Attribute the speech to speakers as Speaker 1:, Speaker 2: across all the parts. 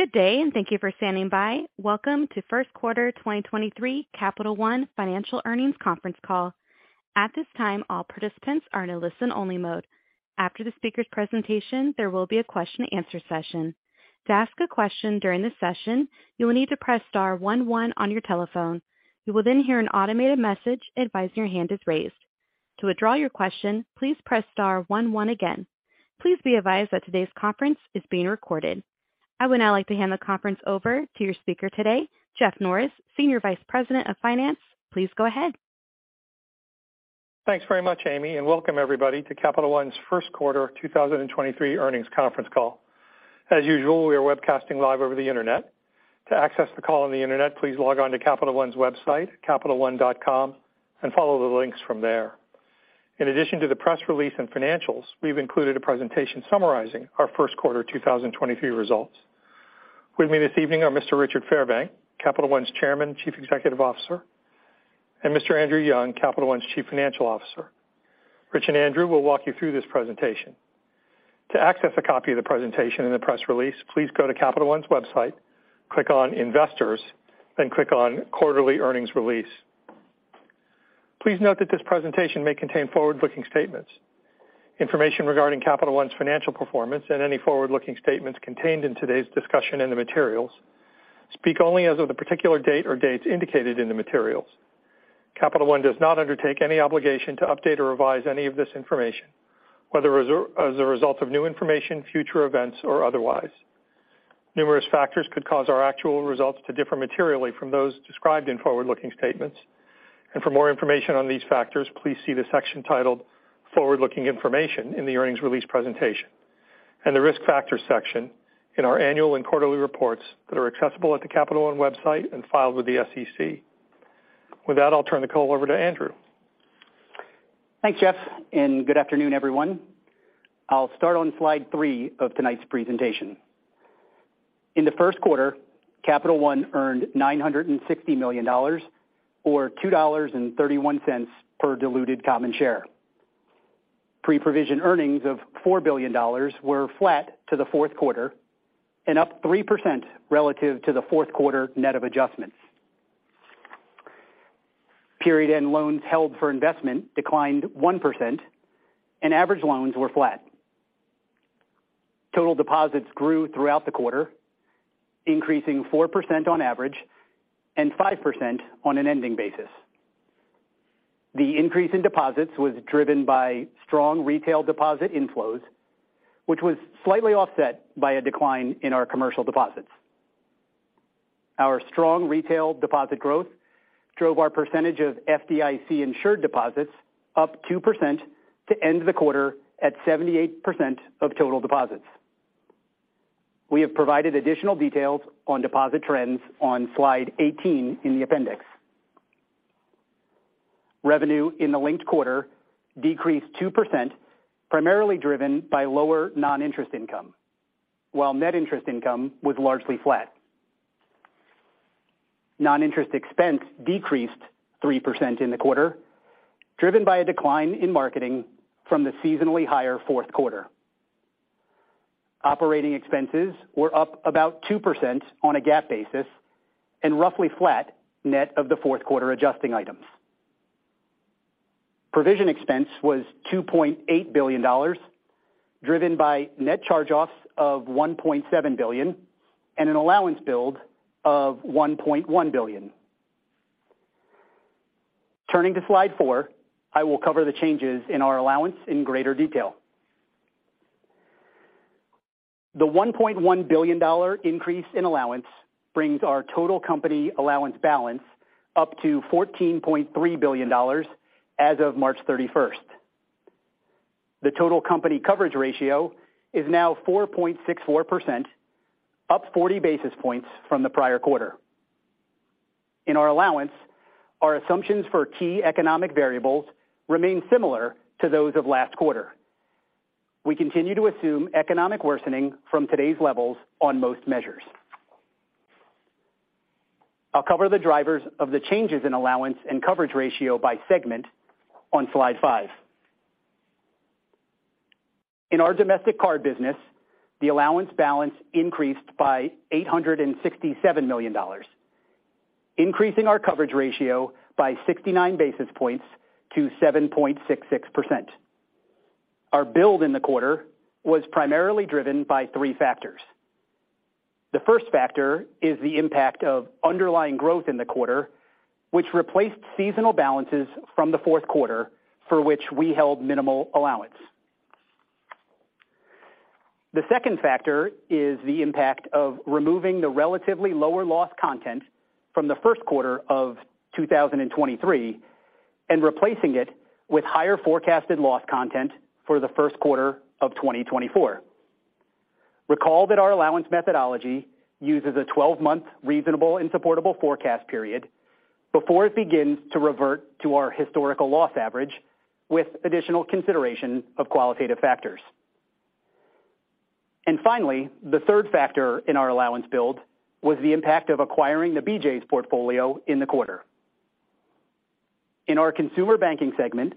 Speaker 1: Good day. Thank you for standing by. Welcome to first quarter 2023 Capital One Financial Earnings Conference Call. At this time, all participants are in a listen-only mode. After the speaker's presentation, there will be a question-and-answer session. To ask a question during this session, you will need to press star one one on your telephone. You will hear an automated message advising your hand is raised. To withdraw your question, please press star one one again. Please be advised that today's conference is being recorded. I would now like to hand the conference over to your speaker today, Jeff Norris, Senior Vice President of Finance. Please go ahead.
Speaker 2: Thanks very much, Amy, welcome everybody to Capital One's first quarter 2023 earnings conference call. As usual, we are webcasting live over the Internet. To access the call on the Internet, please log on to Capital One's website, capitalone.com, and follow the links from there. In addition to the press release and financials, we've included a presentation summarizing our first quarter 2023 results. With me this evening are Mr. Richard Fairbank, Capital One's Chairman, Chief Executive Officer, and Mr. Andrew Young, Capital One's Chief Financial Officer. Rich and Andrew will walk you through this presentation. To access a copy of the presentation in the press release, please go to Capital One's website, click on Investors, then click on Quarterly Earnings Release. Please note that this presentation may contain forward-looking statements. Information regarding Capital One's financial performance and any forward-looking statements contained in today's discussion and the materials speak only as of the particular date or dates indicated in the materials. Capital One does not undertake any obligation to update or revise any of this information, whether as a result of new information, future events, or otherwise. Numerous factors could cause our actual results to differ materially from those described in forward-looking statements. For more information on these factors, please see the section titled Forward-Looking Information in the earnings release presentation and the Risk Factors section in our annual and quarterly reports that are accessible at the Capital One website and filed with the SEC. With that, I'll turn the call over to Andrew.
Speaker 3: Thanks, Jeff, and good afternoon, everyone. I'll start on slide three of tonight's presentation. In the first quarter, Capital One earned $960 million or $2.31 per diluted common share. Pre-provision earnings of $4 billion were flat to the fourth quarter and up 3% relative to the fourth quarter net of adjustments. Period end loans held for investment declined 1% and average loans were flat. Total deposits grew throughout the quarter, increasing 4% on average and 5% on an ending basis. The increase in deposits was driven by strong retail deposit inflows, which was slightly offset by a decline in our commercial deposits. Our strong retail deposit growth drove our percentage of FDIC-insured deposits up 2% to end the quarter at 78% of total deposits. We have provided additional details on deposit trends on slide 18 in the appendix. Revenue in the linked quarter decreased 2%, primarily driven by lower non-interest income, while net interest income was largely flat. Non-interest expense decreased 3% in the quarter, driven by a decline in marketing from the seasonally higher fourth quarter. Operating expenses were up about 2% on a GAAP basis and roughly flat net of the fourth quarter adjusting items. Provision expense was $2.8 billion, driven by net charge-offs of $1.7 billion and an allowance build of $1.1 billion. Turning to slide four, I will cover the changes in our allowance in greater detail. The $1.1 billion increase in allowance brings our total company allowance balance up to $14.3 billion as of March 31st. The total company coverage ratio is now 4.64%, up 40 basis points from the prior quarter. In our allowance, our assumptions for key economic variables remain similar to those of last quarter. We continue to assume economic worsening from today's levels on most measures. I'll cover the drivers of the changes in allowance and coverage ratio by segment on slide 5. In our domestic card business, the allowance balance increased by $867 million, increasing our coverage ratio by 69 basis points to 7.66%. Our build in the quarter was primarily driven by three factors. The first factor is the impact of underlying growth in the quarter, which replaced seasonal balances from the fourth quarter, for which we held minimal allowance. The second factor is the impact of removing the relatively lower loss content from the first quarter of 2023 and replacing it with higher forecasted loss content for the first quarter of 2024. Recall that our allowance methodology uses a 12-month reasonable and supportable forecast period before it begins to revert to our historical loss average with additional consideration of qualitative factors. Finally, the third factor in our allowance build was the impact of acquiring the BJ's portfolio in the quarter. In our consumer banking segment,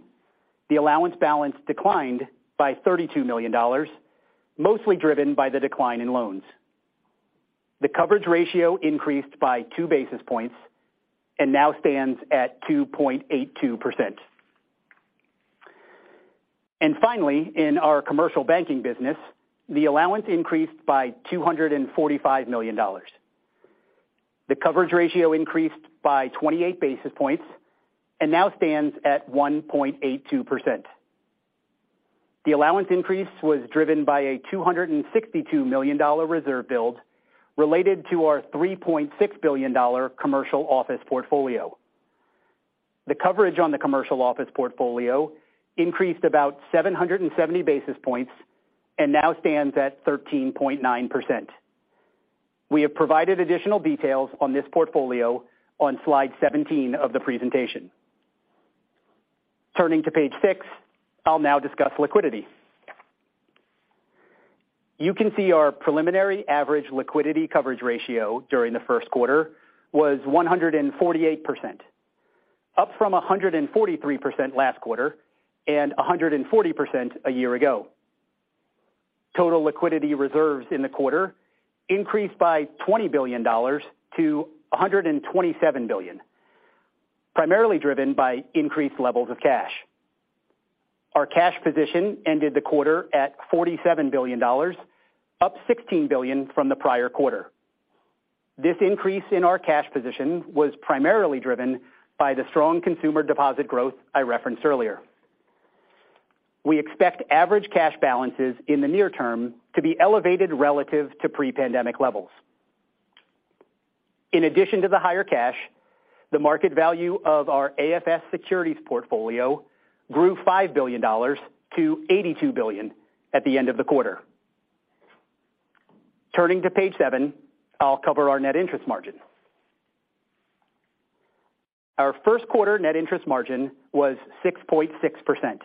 Speaker 3: the allowance balance declined by $32 million, mostly driven by the decline in loans. The coverage ratio increased by 2 basis points and now stands at 2.82%. Finally, in our commercial banking business, the allowance increased by $245 million. The coverage ratio increased by 28 basis points and now stands at 1.82%. The allowance increase was driven by a $262 million reserve build related to our $3.6 billion commercial office portfolio. The coverage on the commercial office portfolio increased about 770 basis points and now stands at 13.9%. We have provided additional details on this portfolio on slide 17 of the presentation. Turning to page six, I'll now discuss liquidity. You can see our preliminary average liquidity coverage ratio during the first quarter was 148%, up from 143% last quarter and 140% a year ago. Total liquidity reserves in the quarter increased by $20 billion-$127 billion, primarily driven by increased levels of cash. Our cash position ended the quarter at $47 billion, up $16 billion from the prior quarter. This increase in our cash position was primarily driven by the strong consumer deposit growth I referenced earlier. We expect average cash balances in the near term to be elevated relative to pre-pandemic levels. In addition to the higher cash, the market value of our AFS securities portfolio grew $5 billion-$82 billion at the end of the quarter. Turning to page seven, I'll cover our net interest margin. Our first quarter net interest margin was 6.6%,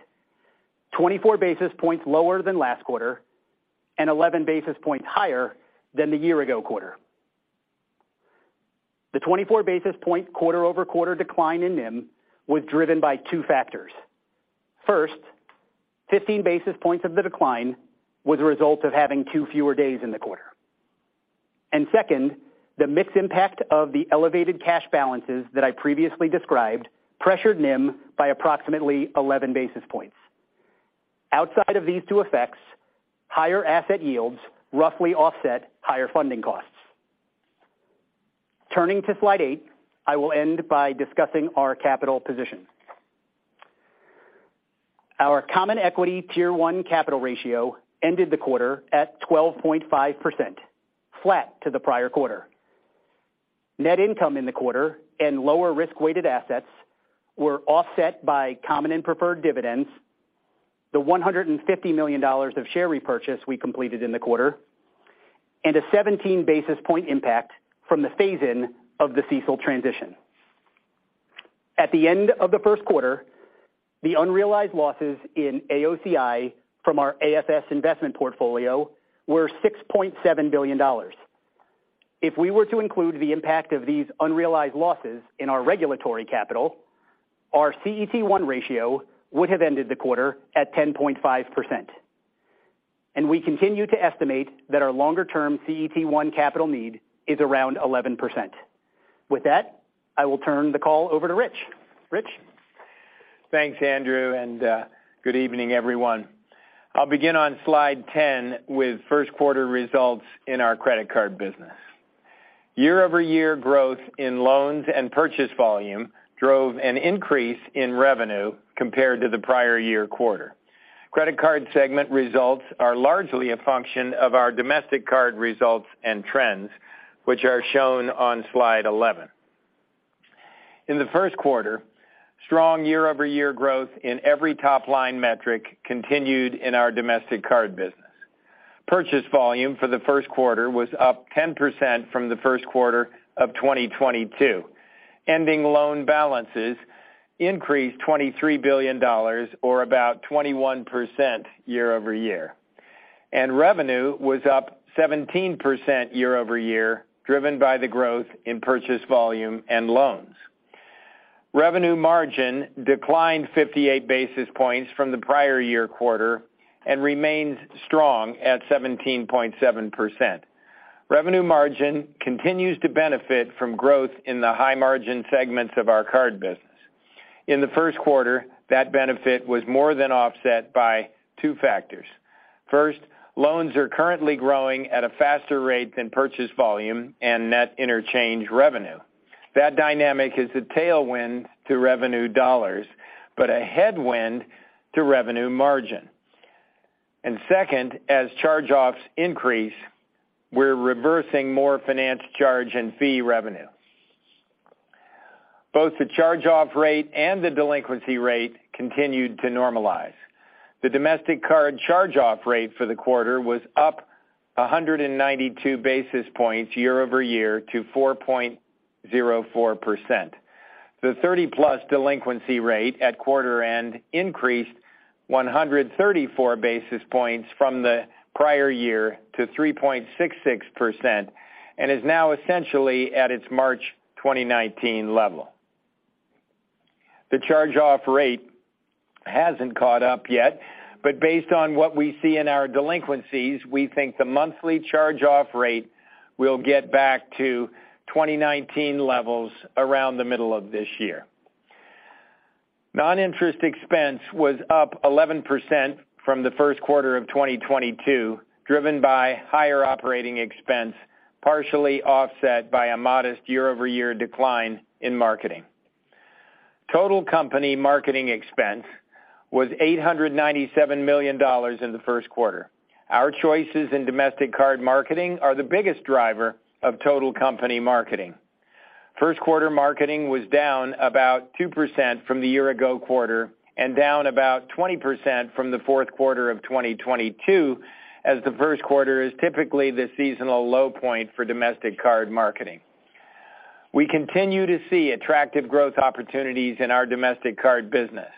Speaker 3: 24 basis points lower than last quarter and 11 basis points higher than the year ago quarter. The 24 basis point quarter-over-quarter decline in NIM was driven by two factors. First, 15 basis points of the decline was a result of having two fewer days in the quarter. Second, the mixed impact of the elevated cash balances that I previously described pressured NIM by approximately 11 basis points. Outside of these two effects, higher asset yields roughly offset higher funding costs. Turning to slide eight, I will end by discussing our capital position. Our common equity tier one capital ratio ended the quarter at 12.5%, flat to the prior quarter. Net income in the quarter and lower risk-weighted assets were offset by common and preferred dividends, the $150 million of share repurchase we completed in the quarter, and a 17 basis point impact from the phase-in of the CECL transition. At the end of the first quarter, the unrealized losses in AOCI from our AFS investment portfolio were $6.7 billion. If we were to include the impact of these unrealized losses in our regulatory capital, our CET1 ratio would have ended the quarter at 10.5%. We continue to estimate that our longer-term CET1 capital need is around 11%. With that, I will turn the call over to Rich. Rich?
Speaker 4: Thanks, Andrew, good evening, everyone. I'll begin on slide 10 with first quarter results in our credit card business. Year-over-year growth in loans and purchase volume drove an increase in revenue compared to the prior year quarter. Credit card segment results are largely a function of our domestic card results and trends, which are shown on slide 11. In the first quarter, strong year-over-year growth in every top-line metric continued in our domestic card business. Purchase volume for the first quarter was up 10% from the first quarter of 2022. Ending loan balances increased $23 billion or about 21% year-over-year. Revenue was up 17% year-over-year, driven by the growth in purchase volume and loans. Revenue margin declined 58 basis points from the prior year quarter and remains strong at 17.7%. Revenue margin continues to benefit from growth in the high margin segments of our card business. In the first quarter, that benefit was more than offset by two factors. First, loans are currently growing at a faster rate than purchase volume and net interchange revenue. That dynamic is a tailwind to revenue dollars, but a headwind to revenue margin. Second, as charge-offs increase, we're reversing more finance charge and fee revenue. Both the charge-off rate and the delinquency rate continued to normalize. The domestic card charge-off rate for the quarter was up 192 basis points year-over-year to 4.04%. The 30+ delinquency rate at quarter end increased 134 basis points from the prior year to 3.66%, and is now essentially at its March 2019 level. The charge-off rate hasn't caught up yet, but based on what we see in our delinquencies, we think the monthly charge-off rate will get back to 2019 levels around the middle of this year. Non-interest expense was up 11% from the first quarter of 2022, driven by higher operating expense, partially offset by a modest year-over-year decline in marketing. Total company marketing expense was $897 million in the first quarter. Our choices in domestic card marketing are the biggest driver of total company marketing. First quarter marketing was down about 2% from the year ago quarter, and down about 20% from the fourth quarter of 2022, as the first quarter is typically the seasonal low point for domestic card marketing. We continue to see attractive growth opportunities in our domestic card business.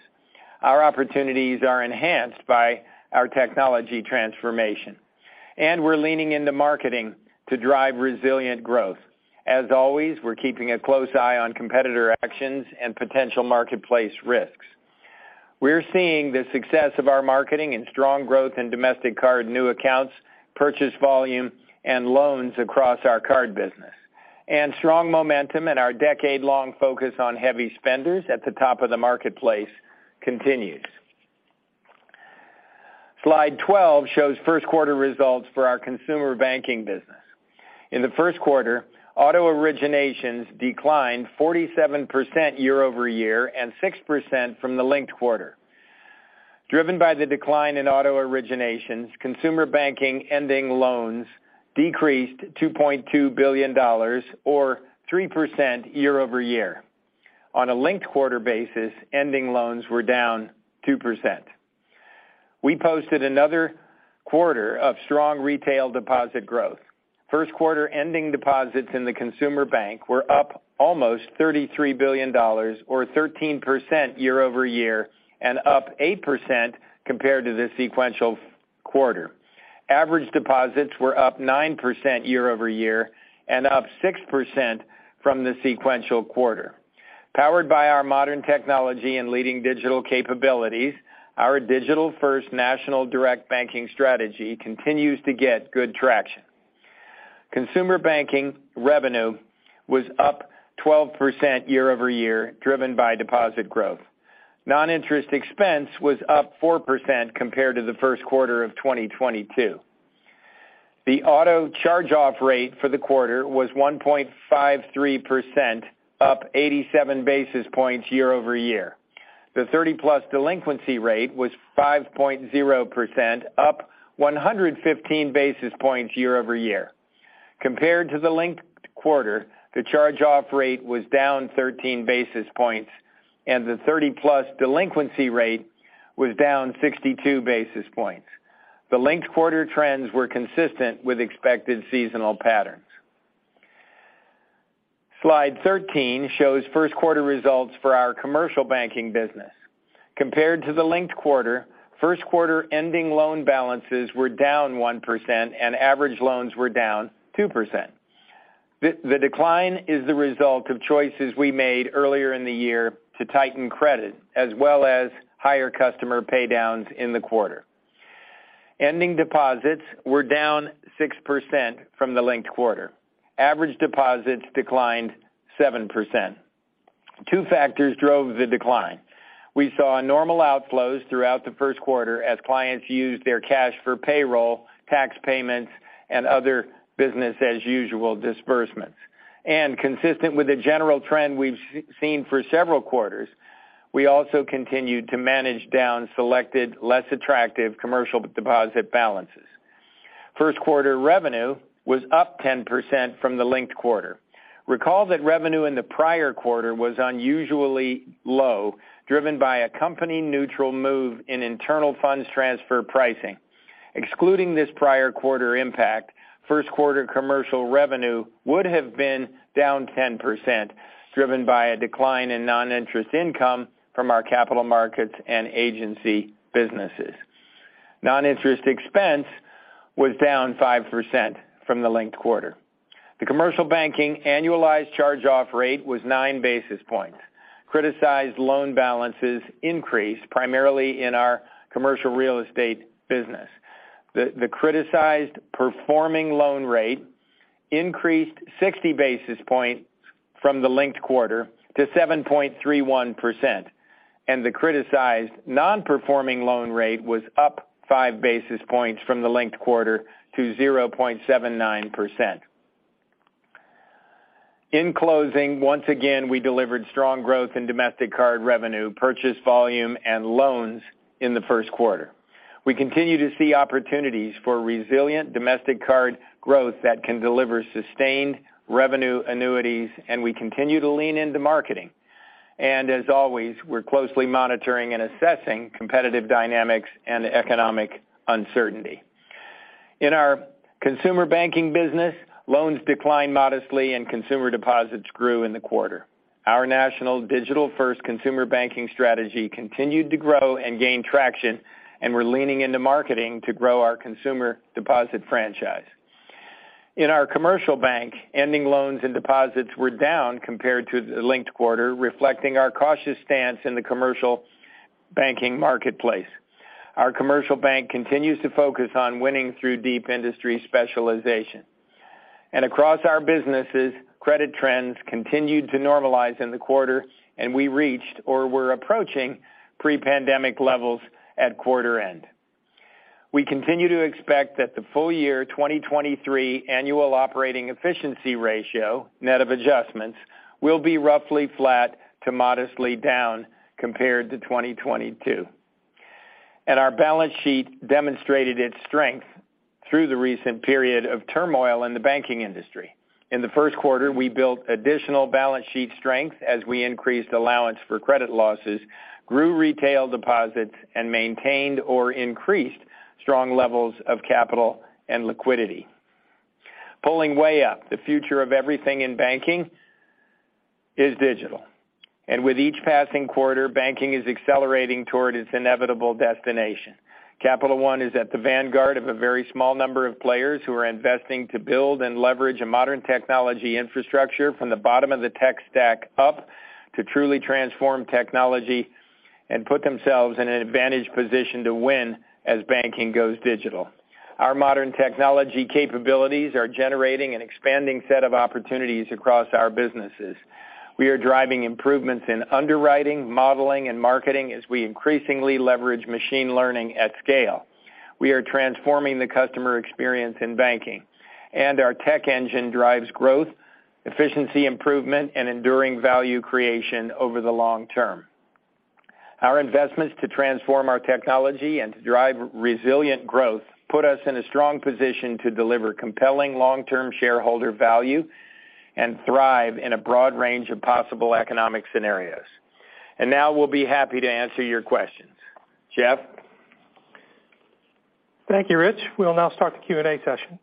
Speaker 4: Our opportunities are enhanced by our technology transformation. We're leaning into marketing to drive resilient growth. As always, we're keeping a close eye on competitor actions and potential marketplace risks. We're seeing the success of our marketing and strong growth in domestic card new accounts, purchase volume, and loans across our card business. Strong momentum in our decade-long focus on heavy spenders at the top of the marketplace continues. Slide 12 shows first quarter results for our consumer banking business. In the first quarter, auto originations declined 47% year-over-year and 6% from the linked quarter. Driven by the decline in auto originations, consumer banking ending loans decreased $2.2 billion or 3% year-over-year. On a linked quarter basis, ending loans were down 2%. We posted another quarter of strong retail deposit growth. First quarter ending deposits in the consumer bank were up almost $33 billion or 13% year-over-year, and up 8% compared to the sequential quarter. Average deposits were up 9% year-over-year and up 6% from the sequential quarter. Powered by our modern technology and leading digital capabilities, our digital-first national direct banking strategy continues to get good traction. Consumer banking revenue was up 12% year-over-year, driven by deposit growth. Non-interest expense was up 4% compared to the first quarter of 2022. The auto charge-off rate for the quarter was 1.53%, up 87 basis points year-over-year. The 30+ delinquency rate was 5.0%, up 115 basis points year-over-year. Compared to the linked quarter, the charge-off rate was down 13 basis points, and the 30+ delinquency rate was down 62 basis points. The linked quarter trends were consistent with expected seasonal patterns. Slide 13 shows first quarter results for our commercial banking business. Compared to the linked quarter, first quarter ending loan balances were down 1% and average loans were down 2%. The decline is the result of choices we made earlier in the year to tighten credit as well as higher customer pay downs in the quarter. Ending deposits were down 6% from the linked quarter. Average deposits declined 7%. Two factors drove the decline. We saw normal outflows throughout the first quarter as clients used their cash for payroll, tax payments, and other business as usual disbursements. Consistent with the general trend we've seen for several quarters, we also continued to manage down selected less attractive commercial deposit balances. First quarter revenue was up 10% from the linked quarter. Recall that revenue in the prior quarter was unusually low, driven by a company neutral move in internal funds transfer pricing. Excluding this prior quarter impact, first quarter commercial revenue would have been down 10%, driven by a decline in non-interest income from our capital markets and agency businesses. Non-interest expense was down 5% from the linked quarter. The commercial banking annualized charge-off rate was 9 basis points. Criticized loan balances increased primarily in our commercial real estate business. The criticized performing loan rate increased 60 basis points from the linked quarter to 7.31%, and the criticized non-performing loan rate was up 5 basis points from the linked quarter to 0.79%. In closing, once again, we delivered strong growth in domestic card revenue, purchase volume, and loans in the first quarter. We continue to see opportunities for resilient domestic card growth that can deliver sustained revenue annuities, and we continue to lean into marketing. As always, we're closely monitoring and assessing competitive dynamics and economic uncertainty. In our consumer banking business, loans declined modestly and consumer deposits grew in the quarter. Our national digital-first consumer banking strategy continued to grow and gain traction, and we're leaning into marketing to grow our consumer deposit franchise. In our commercial bank, ending loans and deposits were down compared to the linked quarter, reflecting our cautious stance in the commercial banking marketplace. Our commercial bank continues to focus on winning through deep industry specialization. Across our businesses, credit trends continued to normalize in the quarter, and we reached or were approaching pre-pandemic levels at quarter end. We continue to expect that the full year 2023 annual operating efficiency ratio, net of adjustments, will be roughly flat to modestly down compared to 2022. Our balance sheet demonstrated its strength through the recent period of turmoil in the banking industry. In the first quarter, we built additional balance sheet strength as we increased allowance for credit losses, grew retail deposits, and maintained or increased strong levels of capital and liquidity. Pulling way up, the future of everything in banking is digital. With each passing quarter, banking is accelerating toward its inevitable destination. Capital One is at the vanguard of a very small number of players who are investing to build and leverage a modern technology infrastructure from the bottom of the tech stack up to truly transform technology and put themselves in an advantaged position to win as banking goes digital. Our modern technology capabilities are generating an expanding set of opportunities across our businesses. We are driving improvements in underwriting, modeling, and marketing as we increasingly leverage machine learning at scale. We are transforming the customer experience in banking, and our tech engine drives growth, efficiency improvement, and enduring value creation over the long term. Our investments to transform our technology and to drive resilient growth put us in a strong position to deliver compelling long-term shareholder value and thrive in a broad range of possible economic scenarios. Now we'll be happy to answer your questions. Jeff?
Speaker 2: Thank you, Rich. We'll now start the Q&A session.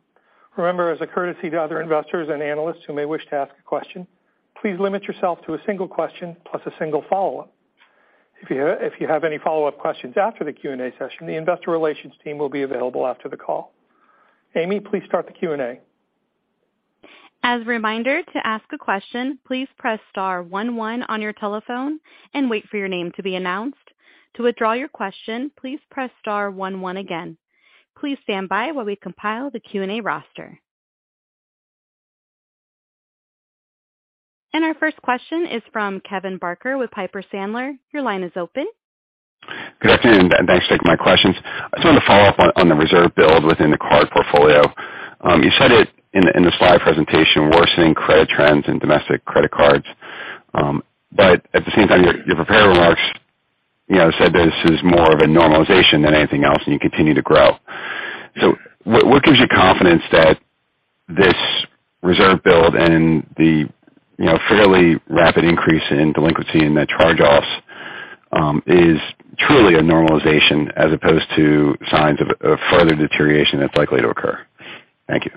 Speaker 2: Remember, as a courtesy to other investors and analysts who may wish to ask a question, please limit yourself to a single question plus a single follow-up. If you have any follow-up questions after the Q&A session, the investor relations team will be available after the call. Amy, please start the Q&A.
Speaker 1: As a reminder, to ask a question, please press star one one on your telephone and wait for your name to be announced. To withdraw your question, please press star one one again. Please stand by while we compile the Q&A roster. Our first question is from Kevin Barker with Piper Sandler. Your line is open.
Speaker 5: Good afternoon, and thanks for taking my questions. I just wanted to follow up on the reserve build within the card portfolio. You said it in the slide presentation, worsening credit trends in domestic credit cards. But at the same time, your prepared remarks, you know, said this is more of a normalization than anything else, and you continue to grow. What gives you confidence that this reserve build and the, you know, fairly rapid increase in delinquency and the charge-offs, is truly a normalization as opposed to signs of further deterioration that's likely to occur? Thank you.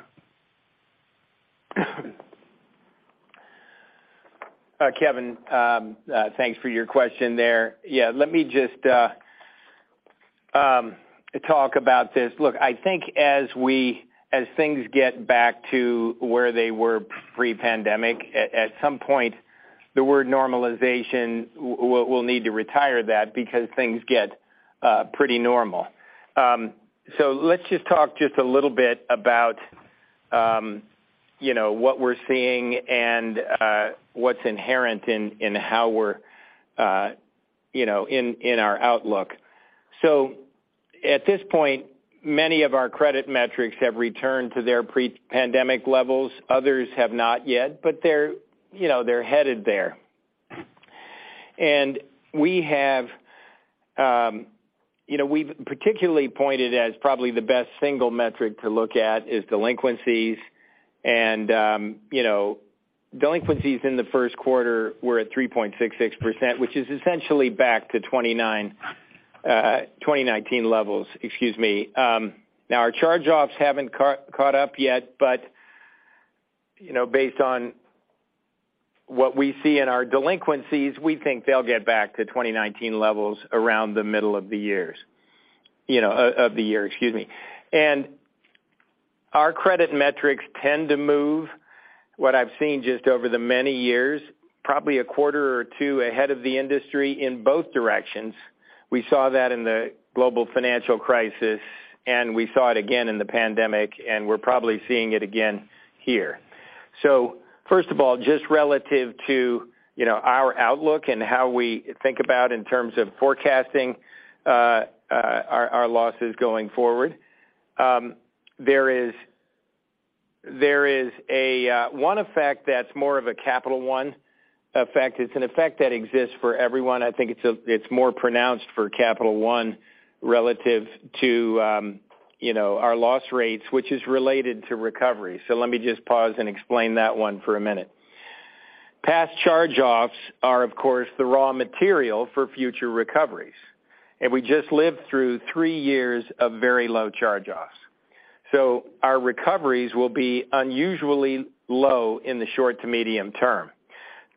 Speaker 4: Kevin, thanks for your question there. Let me just talk about this. Look, I think as things get back to where they were pre-pandemic, at some point, the word normalization, we'll need to retire that because things get pretty normal. Let's just talk just a little bit about, you know, what we're seeing and what's inherent in how we're, you know, in our outlook. At this point, many of our credit metrics have returned to their pre-pandemic levels. Others have not yet, but they're, you know, they're headed there. We have, you know, we've particularly pointed as probably the best single metric to look at is delinquencies. You know, delinquencies in the first quarter were at 3.66%, which is essentially back to 2019 levels. Excuse me. Now our charge-offs haven't caught up yet, but, you know, based on what we see in our delinquencies, we think they'll get back to 2019 levels around the middle of the year, excuse me. Our credit metrics tend to move, what I've seen just over the many years, probably a quarter or two ahead of the industry in both directions. We saw that in the global financial crisis, and we saw it again in the pandemic, and we're probably seeing it again here. First of all, just relative to, you know, our outlook and how we think about in terms of forecasting, our losses going forward, there is a one effect that's more of a Capital One effect. It's an effect that exists for everyone. I think it's more pronounced for Capital One relative to, you know, our loss rates, which is related to recovery. Let me just pause and explain that one for a minute. Past charge-offs are, of course, the raw material for future recoveries, and we just lived through three years of very low charge-offs. Our recoveries will be unusually low in the short to medium term.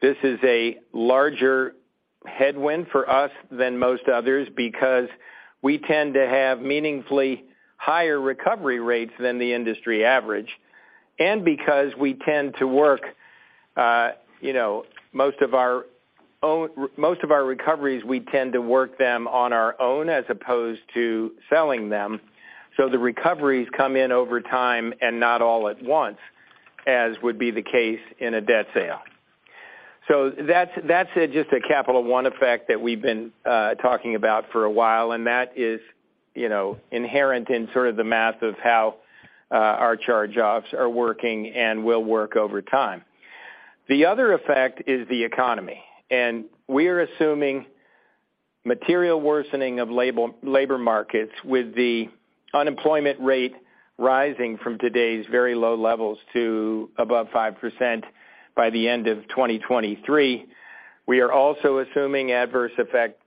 Speaker 4: This is a larger headwind for us than most others because we tend to have meaningfully higher recovery rates than the industry average, and because we tend to work, you know, most of our recoveries, we tend to work them on our own as opposed to selling them. The recoveries come in over time and not all at once, as would be the case in a debt sale. That's, that's just a Capital One effect that we've been talking about for a while, and that is, you know, inherent in sort of the math of how our charge-offs are working and will work over time. The other effect is the economy, and we're assuming material worsening of labor markets with the unemployment rate rising from today's very low levels to above 5% by the end of 2023. We are also assuming adverse effects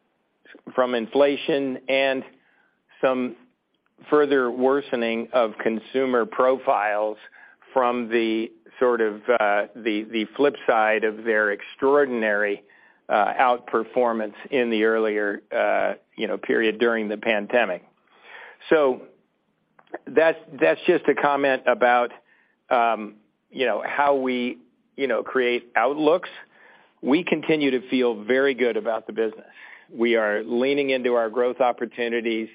Speaker 4: from inflation and some further worsening of consumer profiles from the sort of the flip side of their extraordinary outperformance in the earlier period during the pandemic. That's just a comment about how we create outlooks. We continue to feel very good about the business. We are leaning into our growth opportunities.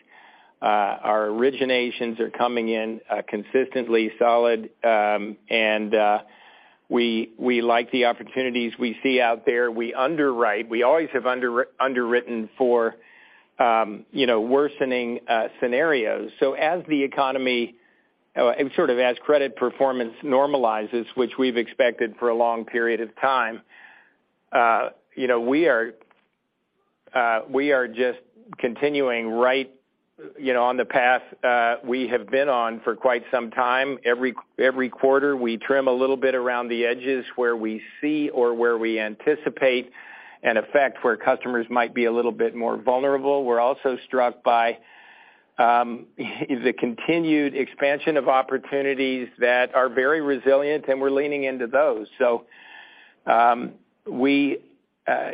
Speaker 4: Our originations are coming in consistently solid. We like the opportunities we see out there. We underwrite. We always have underwritten for worsening scenarios. As the economy sort of as credit performance normalizes, which we've expected for a long period of time, we are just continuing right on the path we have been on for quite some time. Every quarter, we trim a little bit around the edges where we see or where we anticipate an effect where customers might be a little bit more vulnerable. We're also struck by a continued expansion of opportunities that are very resilient, we're leaning into those. We,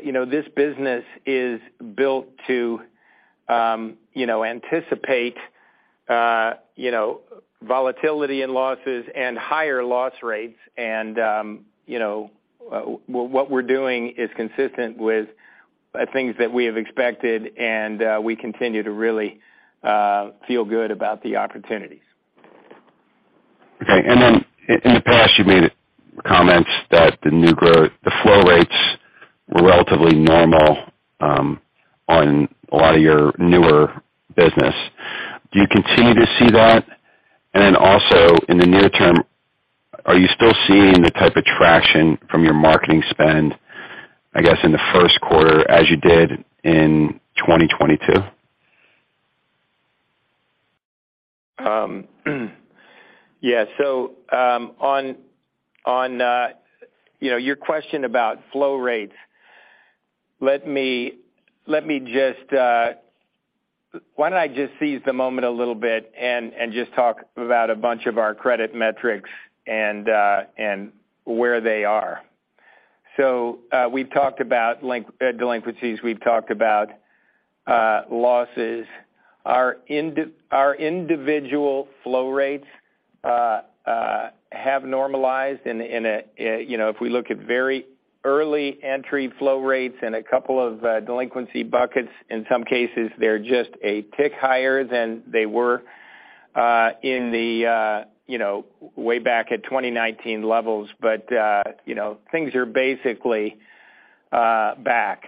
Speaker 4: you know, this business is built to, you know, anticipate, you know, volatility and losses and higher loss rates. You know, what we're doing is consistent with things that we have expected, we continue to really feel good about the opportunities.
Speaker 5: Okay. Then in the past you've made comments that the new growth, the flow rates were relatively normal on a lot of your newer business. Do you continue to see that? Then also in the near term, are you still seeing the type of traction from your marketing spend, I guess, in the first quarter as you did in 2022?
Speaker 4: Yeah. On, on, you know, your question about flow rates, why don't I just seize the moment a little bit and just talk about a bunch of our credit metrics and where they are? We've talked about delinquencies, we've talked about losses. Our individual flow rates have normalized in a, in a, you know, if we look at very early entry flow rates in a couple of delinquency buckets, in some cases, they're just a tick higher than they were in the, you know, way back at 2019 levels. You know, things are basically back.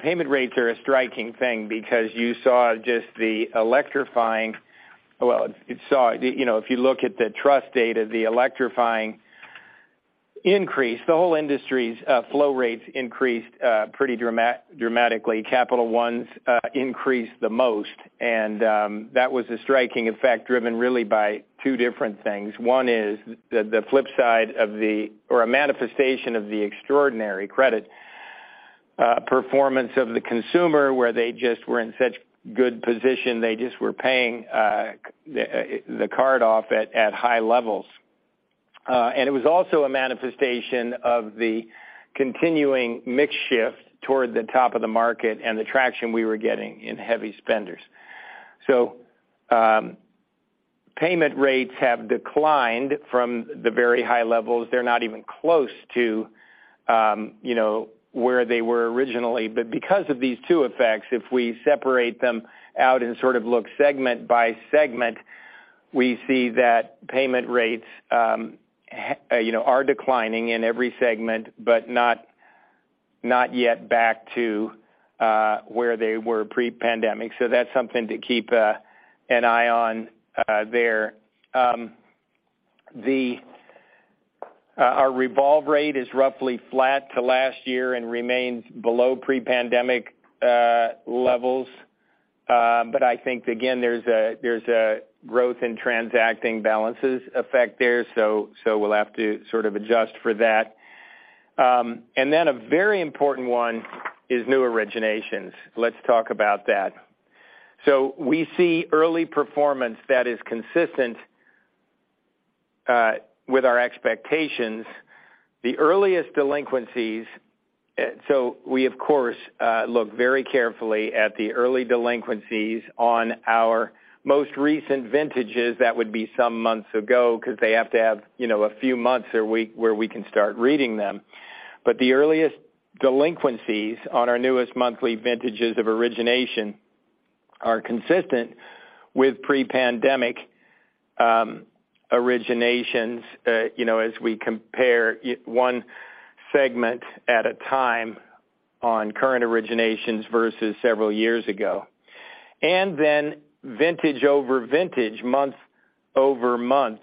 Speaker 4: Payment rates are a striking thing because you saw just the electrifying It saw, you know, if you look at the trust data, the electrifying increase, the whole industry's flow rates increased dramatically. Capital One's increased the most, and that was a striking effect driven really by two different things. One is the flip side of the, or a manifestation of the extraordinary credit performance of the consumer, where they just were in such good position, they just were paying the card off at high levels. And it was also a manifestation of the continuing mix shift toward the top of the market and the traction we were getting in heavy spenders. Payment rates have declined from the very high levels. They're not even close to, you know, where they were originally. Because of these two effects, if we separate them out and sort of look segment by segment, we see that payment rates, you know, are declining in every segment, but not yet back to where they were pre-pandemic. That's something to keep an eye on there. Our revolve rate is roughly flat to last year and remains below pre-pandemic levels. I think again, there's a, there's a growth in transacting balances effect there. We'll have to sort of adjust for that. A very important one is new originations. Let's talk about that. We see early performance that is consistent with our expectations. We of course, look very carefully at the early delinquencies on our most recent vintages. That would be some months ago because they have to have, you know, a few months or week where we can start reading them. The earliest delinquencies on our newest monthly vintages of origination are consistent with pre-pandemic originations, you know, as we compare one segment at a time on current originations versus several years ago. Vintage over vintage, month-over-month,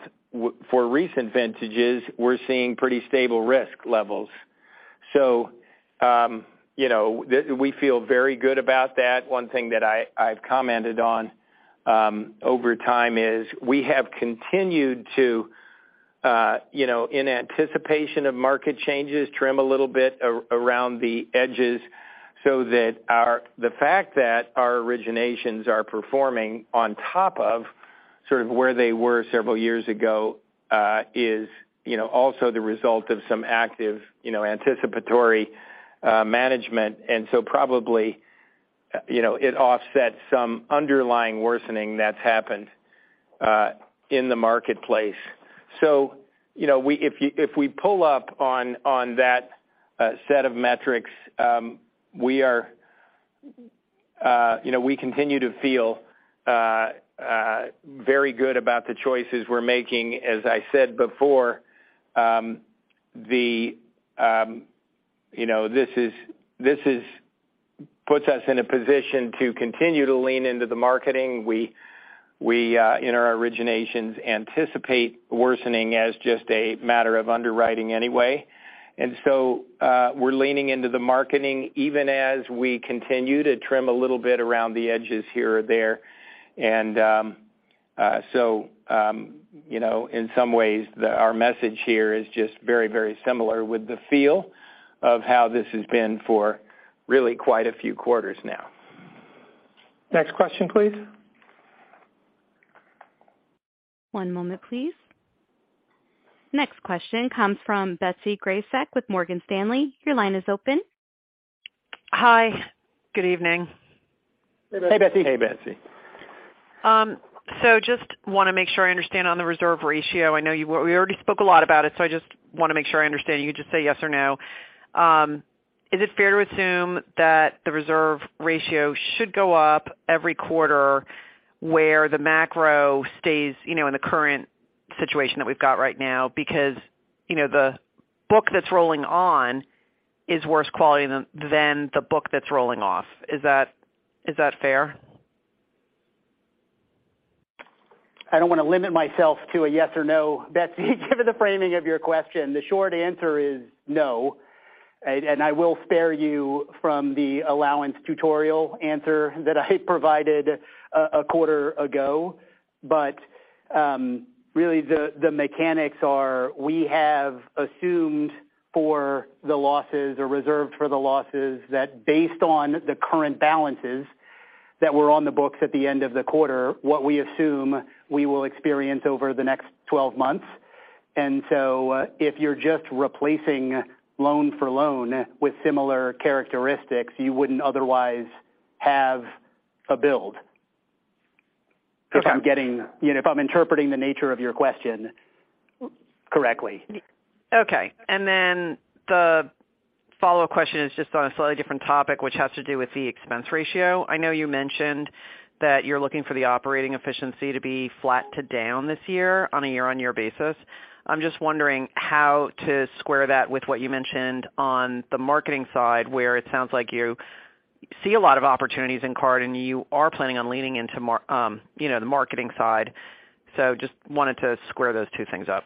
Speaker 4: for recent vintages, we're seeing pretty stable risk levels. You know, we feel very good about that. One thing that I've commented on, over time is we have continued to, you know, in anticipation of market changes, trim a little bit around the edges so that the fact that our originations are performing on top of sort of where they were several years ago, is, you know, also the result of some active, you know, anticipatory, management. Probably, you know, it offsets some underlying worsening that's happened, in the marketplace. You know, if we pull up on that set of metrics, we are, you know, we continue to feel very good about the choices we're making. As I said before, the, you know, this is puts us in a position to continue to lean into the marketing. We in our originations anticipate worsening as just a matter of underwriting anyway. We're leaning into the marketing even as we continue to trim a little bit around the edges here or there. You know, in some ways our message here is just very, very similar with the feel of how this has been for really quite a few quarters now.
Speaker 2: Next question, please.
Speaker 1: One moment please. Next question comes from Betsy Graseck with Morgan Stanley. Your line is open.
Speaker 6: Hi. Good evening.
Speaker 3: Hey, Besty.
Speaker 4: Hey, Betsy.
Speaker 6: Just want to make sure I understand on the reserve ratio. I know we already spoke a lot about it, I just want to make sure I understand. You just say yes or no. Is it fair to assume that the reserve ratio should go up every quarter where the macro stays, you know, in the current situation that we've got right now? You know, the book that's rolling on is worse quality than the book that's rolling off. Is that fair?
Speaker 3: I don't want to limit myself to a yes or no, Betsy, given the framing of your question. The short answer is no. I will spare you from the allowance tutorial answer that I provided a quarter ago. really the mechanics are we have assumed for the losses or reserved for the losses that based on the current balances that were on the books at the end of the quarter, what we assume we will experience over the next 12 months. If you're just replacing loan for loan with similar characteristics, you wouldn't otherwise have a build.
Speaker 6: Okay.
Speaker 3: You know, if I'm interpreting the nature of your question correctly.
Speaker 6: Okay. The follow-up question is just on a slightly different topic, which has to do with the expense ratio. I know you mentioned that you're looking for the Operating efficiency to be flat to down this year on a year-on-year basis. I'm just wondering how to square that with what you mentioned on the marketing side, where it sounds like you see a lot of opportunities in card and you are planning on leaning into you know, the marketing side. Just wanted to square those two things up.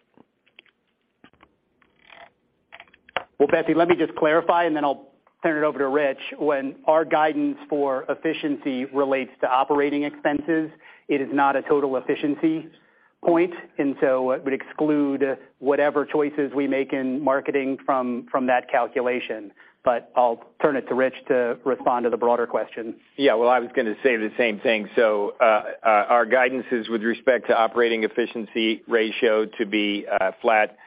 Speaker 3: Betsy, let me just clarify and then I'll turn it over to Rich. When our guidance for efficiency relates to operating expenses, it is not a total efficiency point, it would exclude whatever choices we make in marketing from that calculation. I'll turn it to Rich to respond to the broader question.
Speaker 4: I was going to say the same thing. Our guidance is with respect to operating efficiency ratio to be flat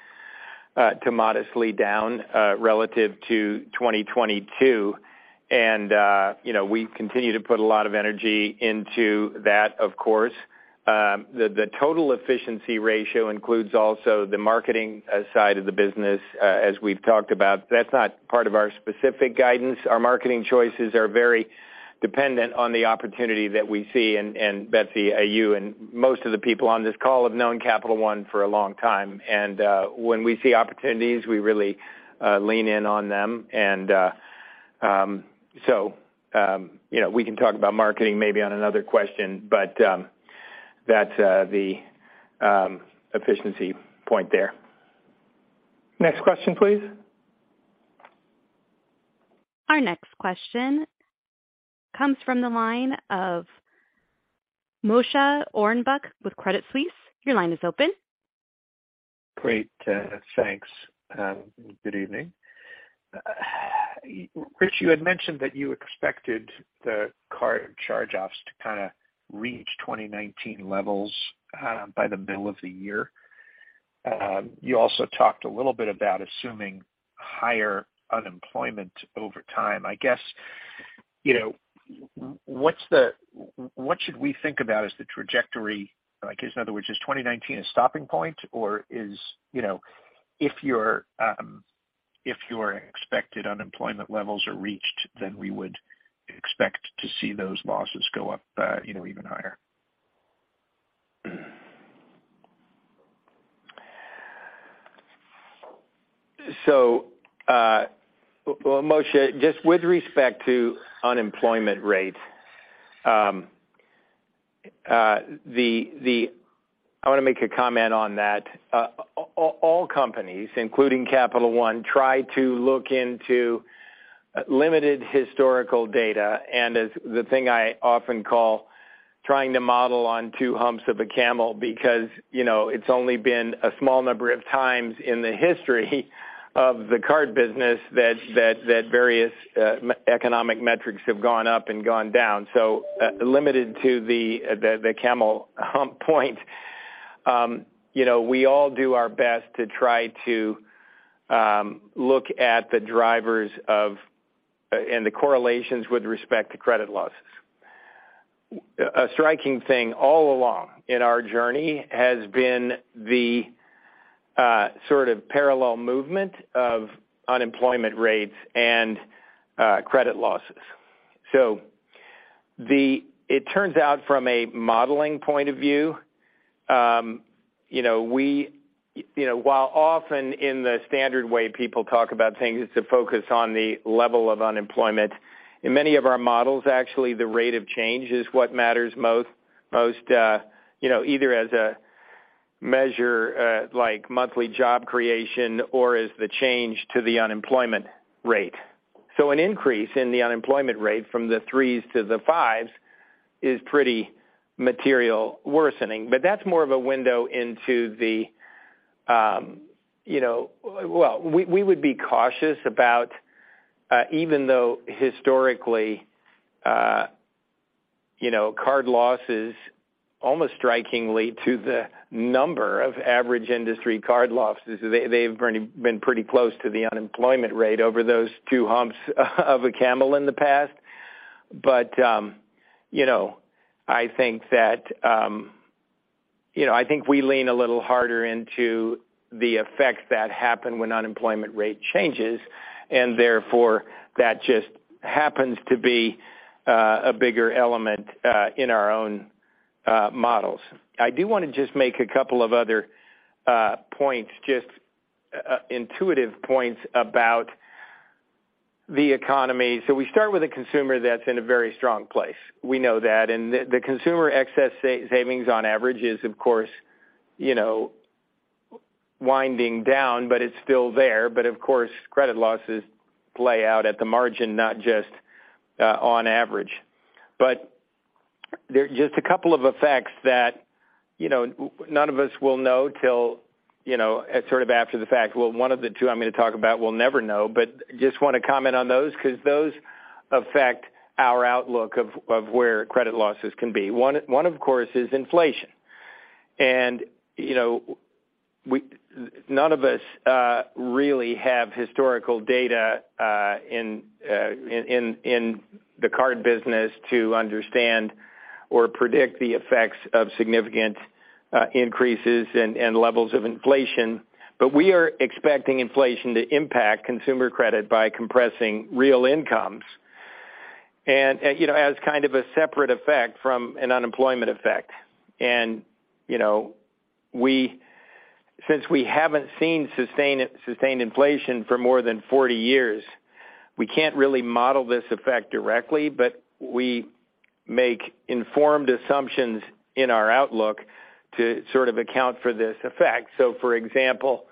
Speaker 4: to modestly down relative to 2022. You know, we continue to put a lot of energy into that, of course. The total efficiency ratio includes also the marketing side of the business, as we've talked about. That's not part of our specific guidance. Our marketing choices are very dependent on the opportunity that we see. Betsy, you and most of the people on this call have known Capital One for a long time. When we see opportunities, we really lean in on them. So, you know, we can talk about marketing maybe on another question, but that's the efficiency point there.
Speaker 2: Next question, please
Speaker 1: Our next question comes from the line of Moshe Orenbuch with Credit Suisse. Your line is open.
Speaker 7: Great, thanks. Good evening. Rich, you had mentioned that you expected the card charge-offs to kind of reach 2019 levels by the middle of the year. You also talked a little bit about assuming higher unemployment over time. I guess, you know, what should we think about as the trajectory? I guess, in other words, is 2019 a stopping point, or is, you know, if your expected unemployment levels are reached, then we would expect to see those losses go up, you know, even higher?
Speaker 4: Well, Moshe, just with respect to unemployment rates, I want to make a comment on that. All companies, including Capital One, try to look into limited historical data, and as the thing I often call trying to model on two humps of a camel because, you know, it's only been a small number of times in the history of the card business that various economic metrics have gone up and gone down. Limited to the camel hump point, you know, we all do our best to try to look at the drivers of and the correlations with respect to credit losses. A striking thing all along in our journey has been the sort of parallel movement of unemployment rates and credit losses. It turns out from a modeling point of view, you know, while often in the standard way people talk about things is to focus on the level of unemployment. In many of our models, actually, the rate of change is what matters most, you know, either as a measure, like monthly job creation or as the change to the unemployment rate. An increase in the unemployment rate from the 3s to the 5s is pretty material worsening. That's more of a window into the, you know. Well, we would be cautious about, even though historically, you know, card losses, almost strikingly to the number of average industry card losses, they've been pretty close to the unemployment rate over those two humps of a camel in the past. You know, I think that, you know, I think we lean a little harder into the effects that happen when unemployment rate changes, and therefore, that just happens to be a bigger element in our own models. I do want to just make a couple of other points, just intuitive points about the economy. We start with a consumer that's in a very strong place. We know that. The, the consumer excess savings on average is, of course, you know, winding down, but it's still there. Of course, credit losses play out at the margin, not just on average. There are just a couple of effects that, you know, none of us will know till, you know, sort of after the fact. Well, one of the two I'm going to talk about we'll never know, but just want to comment on those because those affect our outlook of where credit losses can be. One, of course, is inflation. You know, none of us really have historical data in the card business to understand or predict the effects of significant increases and levels of inflation. We are expecting inflation to impact consumer credit by compressing real incomes and, you know, as kind of a separate effect from an unemployment effect. You know, since we haven't seen sustained inflation for more than 40 years, we can't really model this effect directly, but we make informed assumptions in our outlook to sort of account for this effect. For example,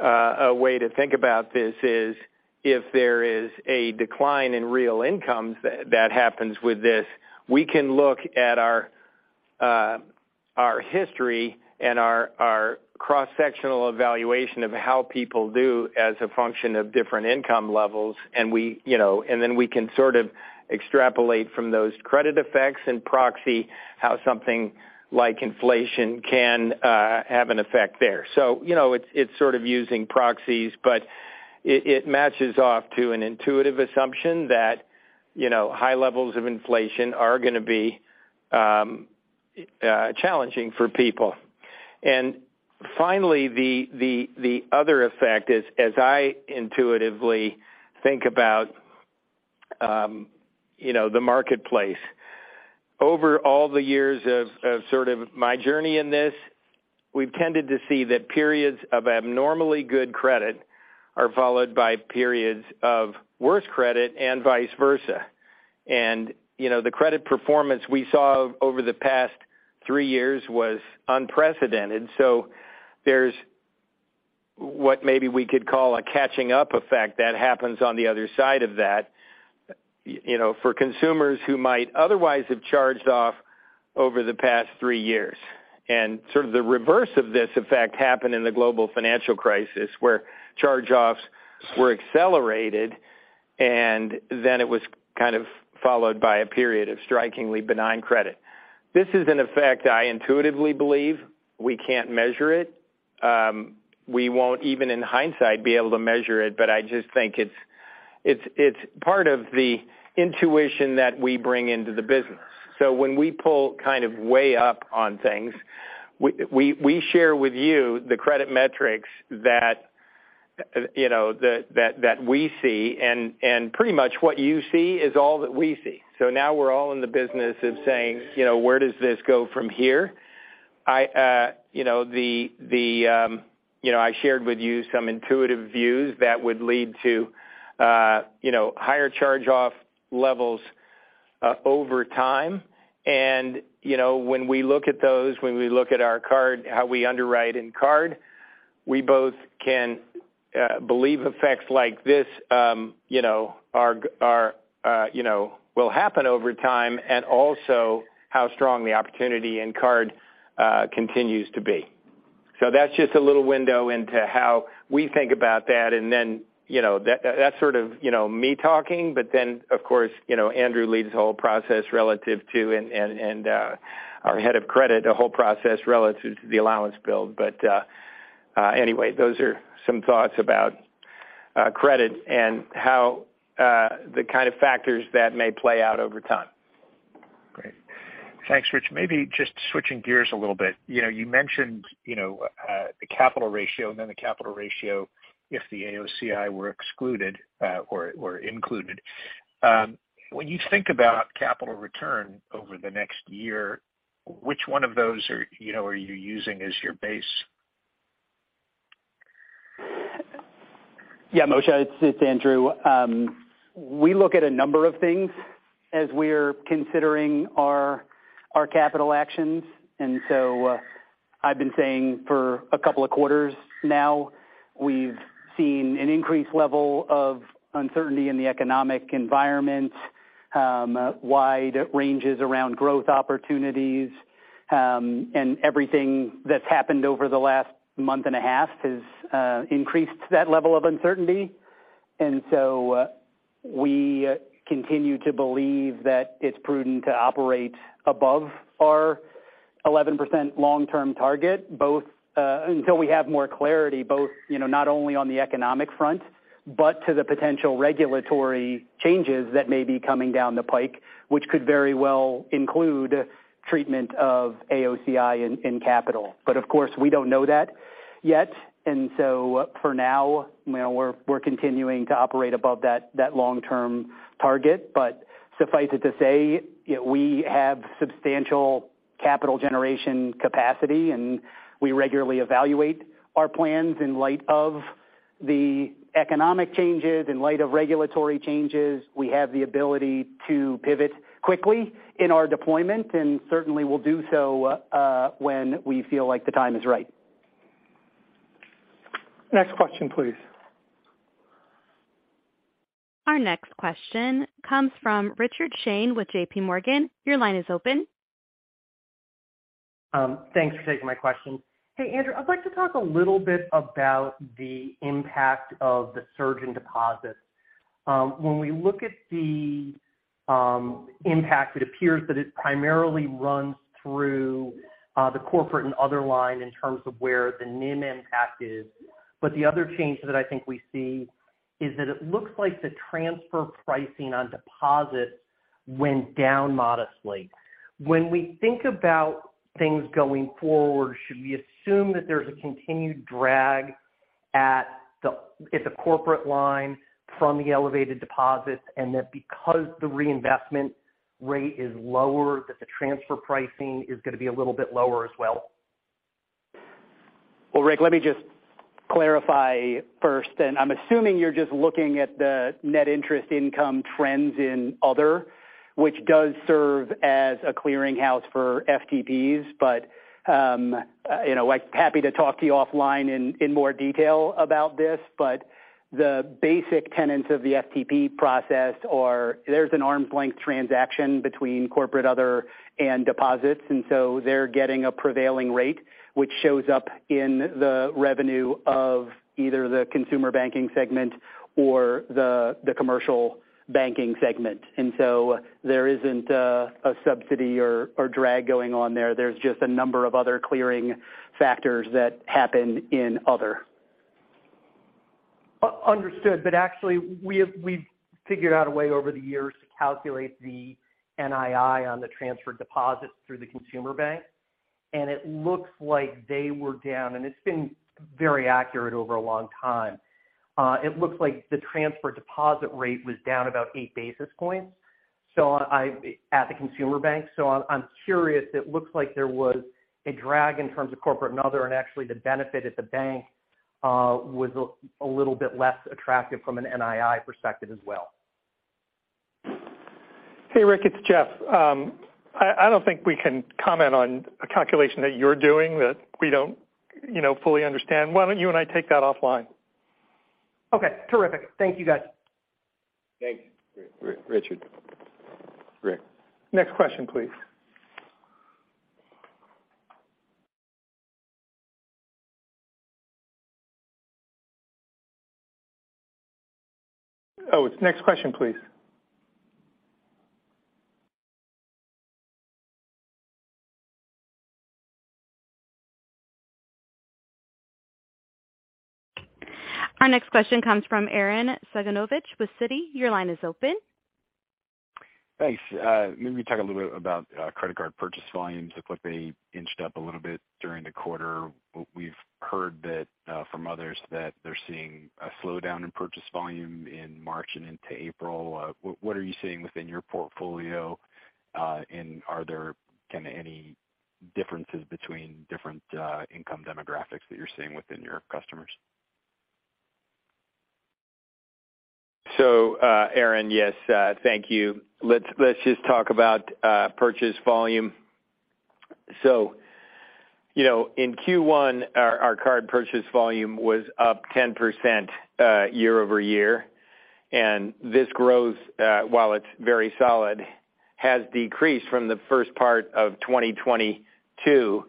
Speaker 4: a way to think about this is if there is a decline in real incomes that happens with this, we can look at our history and our cross-sectional evaluation of how people do as a function of different income levels. We, you know, and then we can sort of extrapolate from those credit effects and proxy how something like inflation can have an effect there. You know, it's sort of using proxies, but it matches off to an intuitive assumption that, you know, high levels of inflation are going to be challenging for people. Finally, the other effect is, as I intuitively think about, you know, the marketplace, over all the years of sort of my journey in this, we've tended to see that periods of abnormally good credit are followed by periods of worse credit and vice versa. You know, the credit performance we saw over the past three years was unprecedented. There's what maybe we could call a catching up effect that happens on the other side of that, you know, for consumers who might otherwise have charged off over the past three years. Sort of the reverse of this effect happened in the global financial crisis, where charge-offs were accelerated, then it was kind of followed by a period of strikingly benign credit. This is an effect I intuitively believe we can't measure it. We won't even in hindsight be able to measure it, but I just think it's part of the intuition that we bring into the business. When we pull kind of way up on things, we share with you the credit metrics that, you know, that we see. Pretty much what you see is all that we see. Now we're all in the business of saying, you know, where does this go from here? I, you know, the, you know, I shared with you some intuitive views that would lead to, you know, higher charge-off levels over time. You know, when we look at those, when we look at our card, how we underwrite in card, we both can believe effects like this, you know, are, you know, will happen over time and also how strong the opportunity in card continues to be. That's just a little window into how we think about that. Then, you know, that's sort of, you know, me talking. Then, of course, you know, Andrew leads the whole process relative to and, our head of credit, the whole process relative to the allowance build. Anyway, those are some thoughts about credit and how the kind of factors that may play out over time.
Speaker 7: Great. Thanks, Rich. Maybe just switching gears a little bit. You know, you mentioned, you know, the capital ratio and then the capital ratio if the AOCI were excluded, or were included. When you think about capital return over the next year, which one of those are, you know, are you using as your base?
Speaker 3: Yeah, Moshe, it's Andrew. We look at a number of things as we're considering our capital actions. I've been saying for a couple of quarters now, we've seen an increased level of uncertainty in the economic environment, wide ranges around growth opportunities, and everything that's happened over the last month and a half has increased that level of uncertainty. We continue to believe that it's prudent to operate above our 11% long-term target, both until we have more clarity, both, you know, not only on the economic front, but to the potential regulatory changes that may be coming down the pike, which could very well include treatment of AOCI in capital. Of course, we don't know that yet. For now, you know, we're continuing to operate above that long-term target. Suffice it to say, we have substantial capital generation capacity, and we regularly evaluate our plans in light of the economic changes, in light of regulatory changes. We have the ability to pivot quickly in our deployment, and certainly we'll do so when we feel like the time is right.
Speaker 2: Next question, please.
Speaker 1: Our next question comes from Richard Shane with JPMorgan. Your line is open.
Speaker 8: Thanks for taking my question. Hey, Andrew, I'd like to talk a little bit about the impact of the surge in deposits. When we look at the impact, it appears that it primarily runs through the corporate and other line in terms of where the NIM impact is. The other change that I think we see is that it looks like the transfer pricing on deposits went down modestly. When we think about things going forward, should we assume that there's a continued drag at the corporate line from the elevated deposits, and that because the reinvestment rate is lower, that the transfer pricing is going to be a little bit lower as well?
Speaker 3: Well, Rick, let me just clarify first, and I'm assuming you're just looking at the net interest income trends in other, which does serve as a clearinghouse for FTPs. You know, like, happy to talk to you offline in more detail about this. The basic tenets of the FTP process are there's an arm's length transaction between corporate other and deposits. They're getting a prevailing rate, which shows up in the revenue of either the consumer banking segment or the commercial banking segment. There isn't a subsidy or drag going on there. There's just a number of other clearing factors that happen in other.
Speaker 8: Understood, actually we've figured out a way over the years to calculate the NII on the transferred deposits through the consumer bank, and it looks like they were down, and it's been very accurate over a long time. It looks like the transfer deposit rate was down about 8 basis points, so at the consumer bank. I'm curious. It looks like there was a drag in terms of corporate and other, and actually the benefit at the bank was a little bit less attractive from an NII perspective as well.
Speaker 2: Hey Rick, it's Jeff. I don't think we can comment on a calculation that you're doing that we don't, you know, fully understand. Why don't you and I take that offline?
Speaker 8: Okay. Terrific. Thank you, guys.
Speaker 4: Thanks, Richard. Rick.
Speaker 2: Oh, next question, please.
Speaker 1: Our next question comes from Arren Cyganovich with Citi. Your line is open.
Speaker 9: Thanks. Maybe talk a little bit about credit card purchase volumes. Look like they inched up a little bit during the quarter. We've heard that from others that they're seeing a slowdown in purchase volume in March and into April. What are you seeing within your portfolio? Are there kinda any differences between different income demographics that you're seeing within your customers?
Speaker 4: Arren, yes, thank you. Let's just talk about purchase volume. You know, in Q1, our card purchase volume was up 10% year-over-year. This growth, while it's very solid, has decreased from the first part of 2022.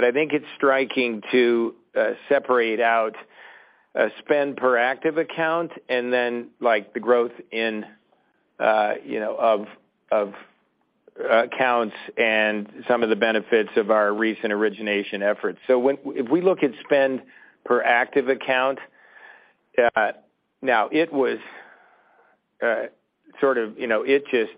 Speaker 4: I think it's striking to separate out spend per active account and then, like, the growth in you know, of accounts and some of the benefits of our recent origination efforts. If we look at spend per active account, now it was sort of, you know, it just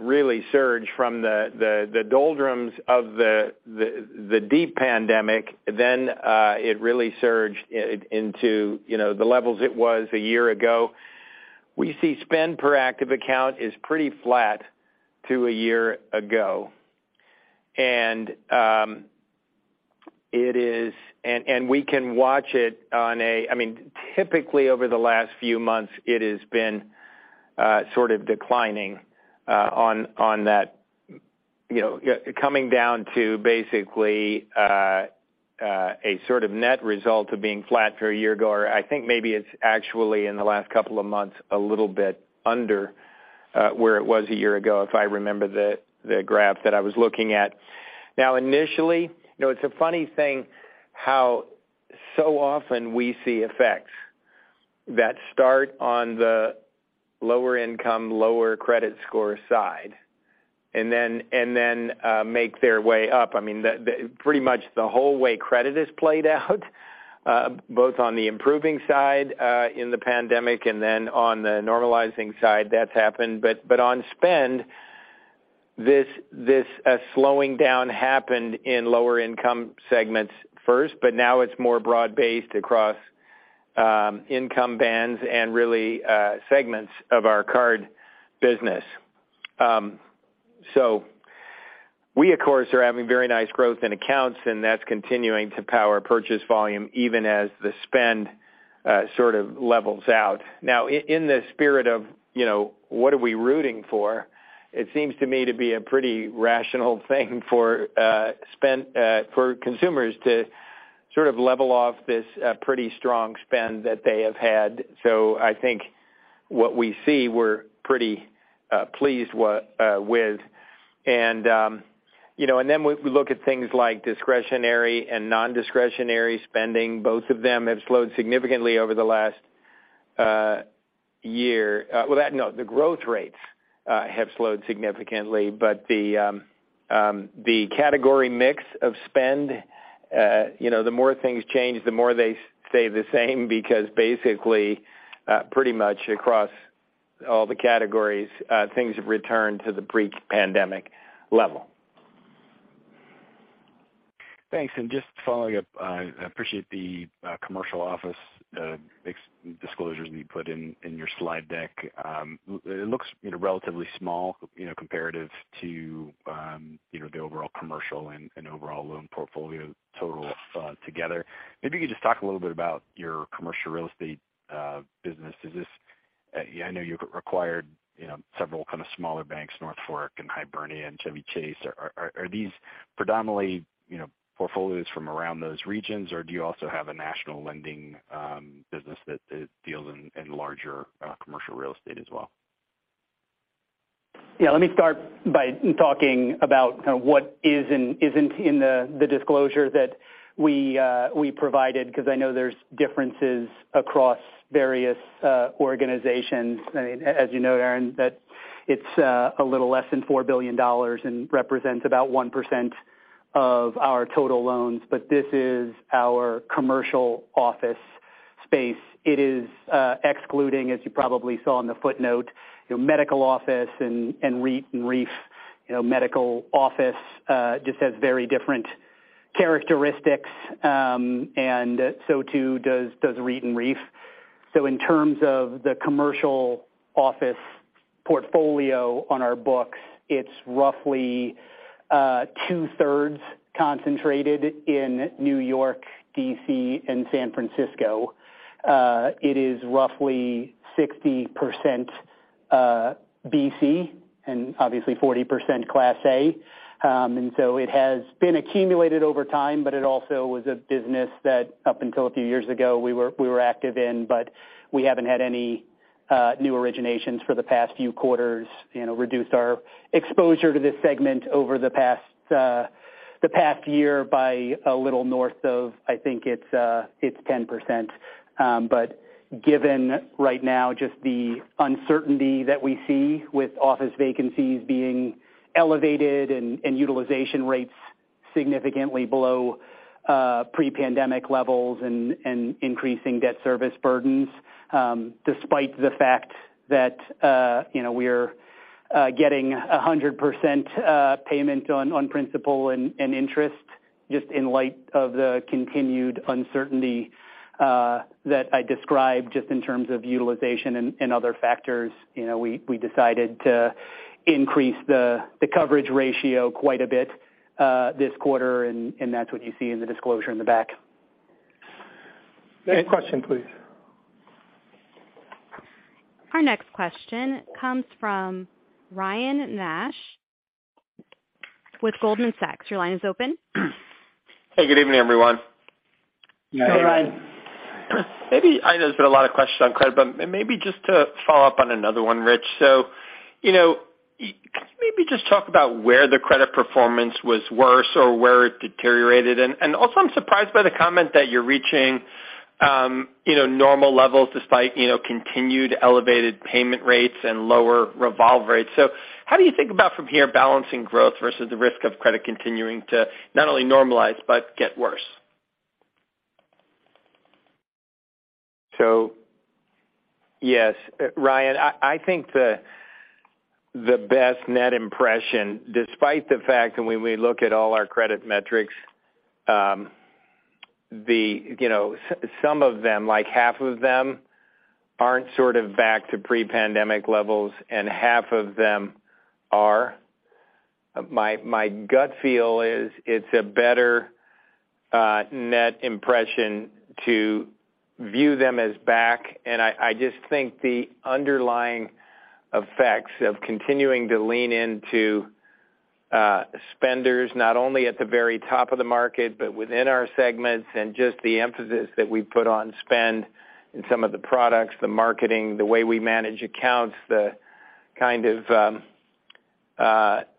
Speaker 4: really surged from the doldrums of the deep pandemic, then it really surged into, you know, the levels it was a year ago. We see spend per active account is pretty flat to a year ago. I mean, typically over the last few months, it has been sort of declining on that. You know, coming down to basically a sort of net result of being flat to a year ago, or I think maybe it's actually in the last couple of months, a little bit under where it was a year ago, if I remember the graph that I was looking at. Initially, you know, it's a funny thing how so often we see effects that start on the lower income, lower credit score side and then, and then make their way up. I mean, pretty much the whole way credit is played out, both on the improving side, in the pandemic and then on the normalizing side that's happened. On spend, this slowing down happened in lower income segments first, but now it's more broad-based across income bands and really segments of our card business. We of course, are having very nice growth in accounts, and that's continuing to power purchase volume even as the spend sort of levels out. Now in the spirit of, you know, what are we rooting for? It seems to me to be a pretty rational thing for consumers to sort of level off this pretty strong spend that they have had. I think what we see, we're pretty pleased with. You know, we look at things like discretionary and non-discretionary spending. Both of them have slowed significantly over the last year. Well, no. The growth rates have slowed significantly, but the category mix of spend, you know, the more things change, the more they stay the same because basically, pretty much across all the categories, things have returned to the pre-pandemic level.
Speaker 9: Thanks. Just following up, I appreciate the commercial office disclosures that you put in your slide deck. It looks, you know, relatively small, you know, comparative to, you know, the overall commercial and overall loan portfolio total together. Maybe you could just talk a little bit about your commercial real estate business. I know you acquired, you know, several kind of smaller banks, North Fork and Hibernia and Chevy Chase. Are these predominantly, you know, portfolios from around those regions, or do you also have a national lending business that deals in larger commercial real estate as well?
Speaker 3: Yeah. Let me start by talking about kind of what is and isn't in the disclosure that we provided because I know there's differences across various organizations. I mean, as you know, Arren, that it's a little less than $4 billion and represents about 1% of our total loans. This is our commercial office space. It is excluding, as you probably saw in the footnote, you know, medical office and REIT and REIF. You know, medical office just has very different characteristics, so too does REIT and REIF. In terms of the commercial office portfolio on our books, it's roughly 2/3 concentrated in New York, D.C., and San Francisco. It is roughly 60% BC and obviously 40% Class A. It has been accumulated over time, but it also was a business that up until a few years ago, we were active in. We haven't had any new originations for the past few quarters, you know, reduced our exposure to this segment over the past year by a little north of, I think it's 10%. Given right now just the uncertainty that we see with office vacancies being elevated and utilization rates significantly below pre-pandemic levels and increasing debt service burdens, despite the fact that, you know, we're getting a 100% payment on principal and interest just in light of the continued uncertainty that I described just in terms of utilization and other factors. You know, we decided to increase the coverage ratio quite a bit this quarter and that's what you see in the disclosure in the back.
Speaker 2: Next question, please.
Speaker 1: Our next question comes from Ryan Nash with Goldman Sachs. Your line is open.
Speaker 10: Hey, good evening, everyone.
Speaker 4: Hi, Ryan.
Speaker 3: Hi.
Speaker 10: Maybe I know there's been a lot of questions on credit, but maybe just to follow up on another one, Rich. you know, could you maybe just talk about where the credit performance was worse or where it deteriorated? Also I'm surprised by the comment that you're reaching, you know, normal levels despite, you know, continued elevated payment rates and lower revolve rates. How do you think about from here balancing growth versus the risk of credit continuing to not only normalize but get worse?
Speaker 4: Yes, Ryan, I think the best net impression, despite the fact that when we look at all our credit metrics, you know, some of them, like half of them aren't sort of back to pre-pandemic levels and half of them are. My gut feel is it's a better net impression to view them as back. I just think the underlying effects of continuing to lean into spenders, not only at the very top of the market, but within our segments and just the emphasis that we put on spend in some of the products, the marketing, the way we manage accounts, the kind of,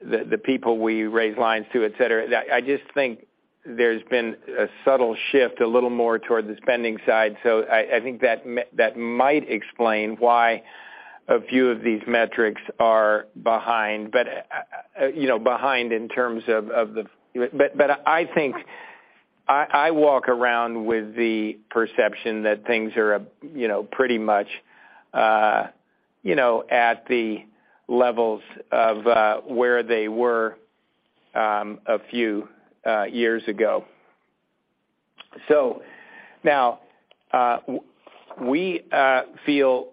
Speaker 4: the people we raise lines to, et cetera. That I just think there's been a subtle shift a little more toward the spending side. I think that that might explain why a few of these metrics are behind. you know, behind in terms of, I think I walk around with the perception that things are, you know, pretty much, you know, at the levels of where they were a few years ago. Now, we feel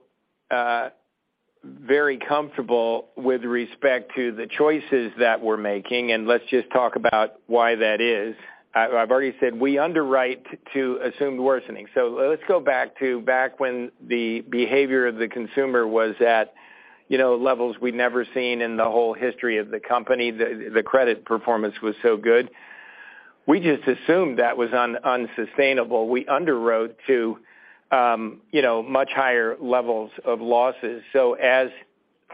Speaker 4: very comfortable with respect to the choices that we're making, and let's just talk about why that is. I've already said we underwrite to assumed worsening. let's go back to back when the behavior of the consumer was at, you know, levels we'd never seen in the whole history of the company. The credit performance was so good. We just assumed that was unsustainable. We underwrote to, you know, much higher levels of losses. As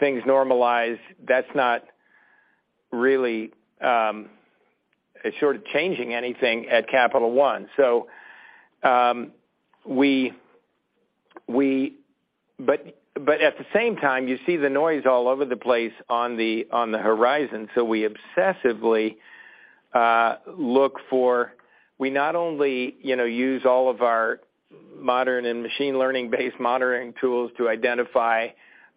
Speaker 4: things normalize, that's not really sort of changing anything at Capital One. At the same time, you see the noise all over the place on the horizon. We not only, you know, use all of our modern and machine learning-based monitoring tools to identify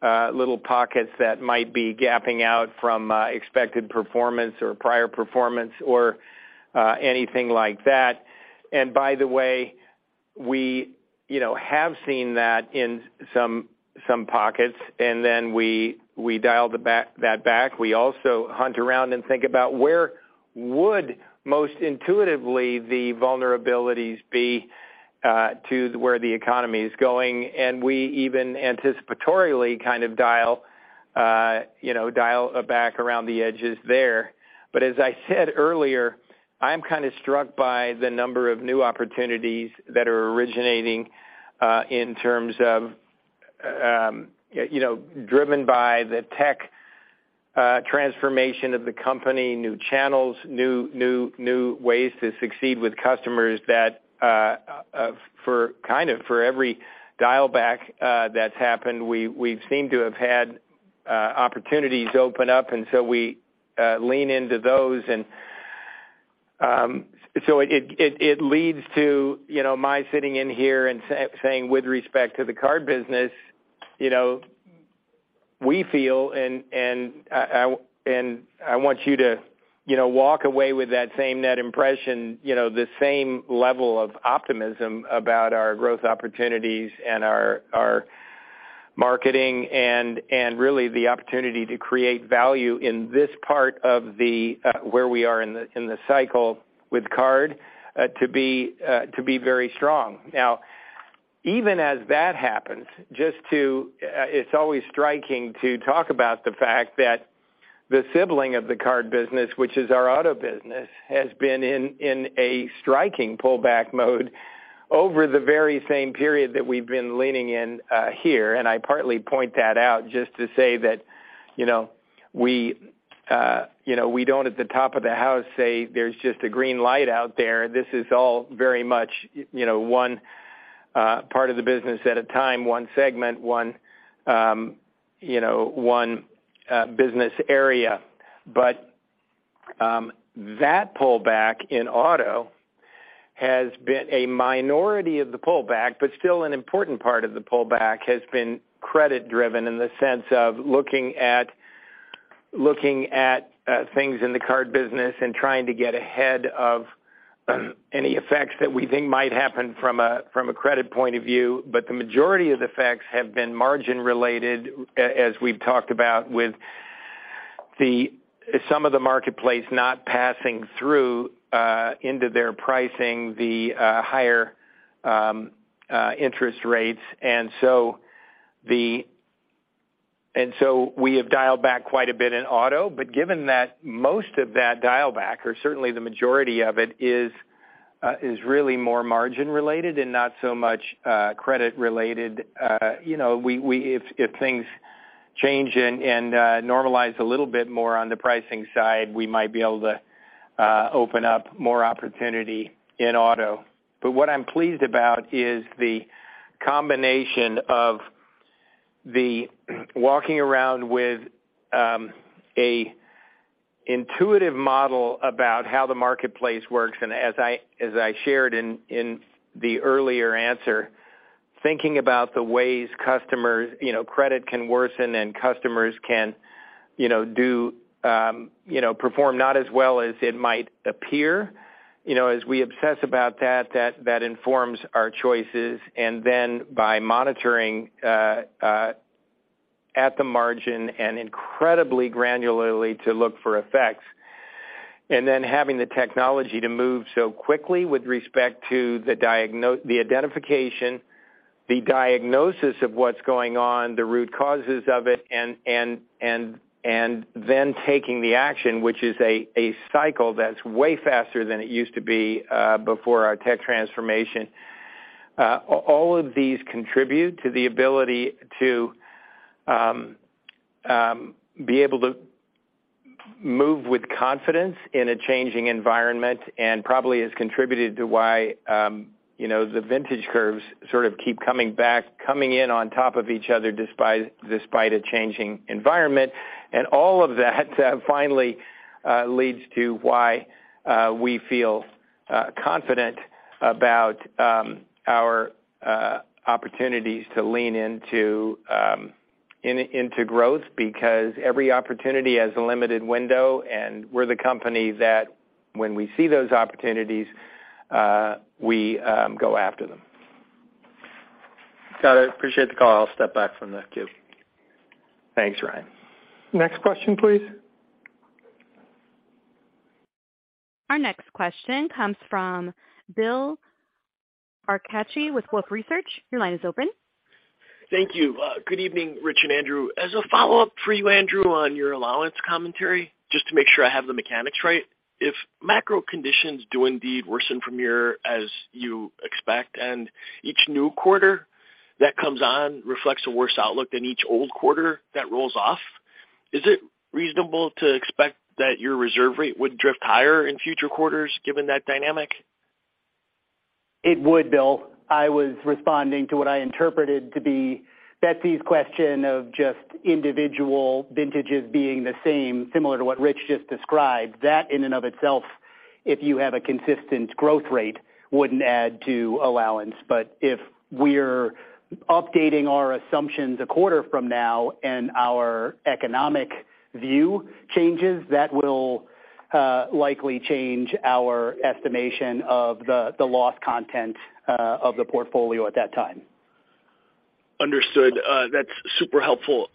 Speaker 4: little pockets that might be gapping out from expected performance or prior performance or anything like that. By the way, we, you know, have seen that in some pockets. We dial that back. We also hunt around and think about where would most intuitively the vulnerabilities be to where the economy is going. We even anticipatorily kind of dial, you know, dial back around the edges there. As I said earlier, I'm kind of struck by the number of new opportunities that are originating in terms of, you know, driven by the tech transformation of the company, new channels, new ways to succeed with customers that for kind of for every dial back that's happened, we've seemed to have had opportunities open up, we lean into those. It leads to, you know, my sitting in here and saying with respect to the card business, you know. We feel and I want you to, you know, walk away with that same net impression, you know, the same level of optimism about our growth opportunities and our marketing and really the opportunity to create value in this part of the where we are in the cycle with card to be very strong. Even as that happens, it's always striking to talk about the fact that the sibling of the card business, which is our auto business, has been in a striking pullback mode over the very same period that we've been leaning in here. I partly point that out just to say that, you know, we, you know, we don't at the top of the house say there's just a green light out there. This is all very much, you know, one part of the business at a time, one segment, one, you know, one business area. That pullback in auto has been a minority of the pullback, but still an important part of the pullback has been credit-driven in the sense of looking at things in the card business and trying to get ahead of any effects that we think might happen from a, from a credit point of view. The majority of the effects have been margin related, as we've talked about with some of the marketplace not passing through into their pricing, the higher interest rates. We have dialed back quite a bit in auto. Given that most of that dial back, or certainly the majority of it, is really more margin related and not so much credit related, you know, we If things change and normalize a little bit more on the pricing side, we might be able to open up more opportunity in auto. What I'm pleased about is the combination of the walking around with a intuitive model about how the marketplace works. As I shared in the earlier answer, thinking about the ways customers, you know, credit can worsen and customers can, you know, do, you know, perform not as well as it might appear. You know, as we obsess about that informs our choices. Then by monitoring at the margin and incredibly granularly to look for effects, and then having the technology to move so quickly with respect to the identification, the diagnosis of what's going on, the root causes of it, and then taking the action, which is a cycle that's way faster than it used to be before our tech transformation. All of these contribute to the ability to be able to move with confidence in a changing environment and probably has contributed to why, you know, the vintage curves sort of keep coming back, coming in on top of each other despite a changing environment. All of that finally leads to why we feel confident about our opportunities to lean into growth because every opportunity has a limited window, and we're the company that when we see those opportunities, we go after them.
Speaker 10: Scott, I appreciate the call. I'll step back from the queue.
Speaker 4: Thanks, Ryan.
Speaker 2: Next question, please.
Speaker 1: Our next question comes from Bill Carcache with Wolfe Research. Your line is open.
Speaker 11: Thank you. Good evening, Rich and Andrew. As a follow-up for you, Andrew, on your allowance commentary, just to make sure I have the mechanics right. If macro conditions do indeed worsen from your as you expect, and each new quarter that comes on reflects a worse outlook than each old quarter that rolls off, is it reasonable to expect that your reserve rate would drift higher in future quarters given that dynamic?
Speaker 3: It would, Bill. I was responding to what I interpreted to be Betsy's question of just individual vintages being the same, similar to what Rich just described. That in and of itself, if you have a consistent growth rate, wouldn't add to allowance. If we're updating our assumptions a quarter from now and our economic view changes, that will likely change our estimation of the loss content of the portfolio at that time.
Speaker 11: Understood. That's super helpful.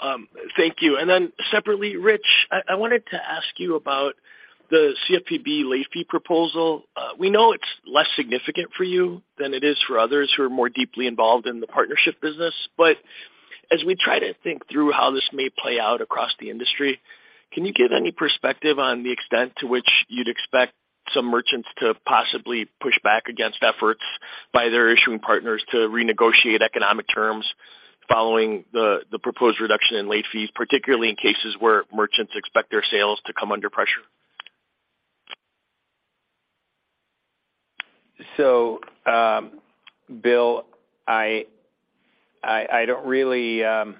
Speaker 11: Thank you. Separately, Rich, I wanted to ask you about the CFPB late fee proposal. We know it's less significant for you than it is for others who are more deeply involved in the partnership business. As we try to think through how this may play out across the industry, can you give any perspective on the extent to which you'd expect some merchants to possibly push back against efforts by their issuing partners to renegotiate economic terms following the proposed reduction in late fees, particularly in cases where merchants expect their sales to come under pressure?
Speaker 4: Bill, I don't really, I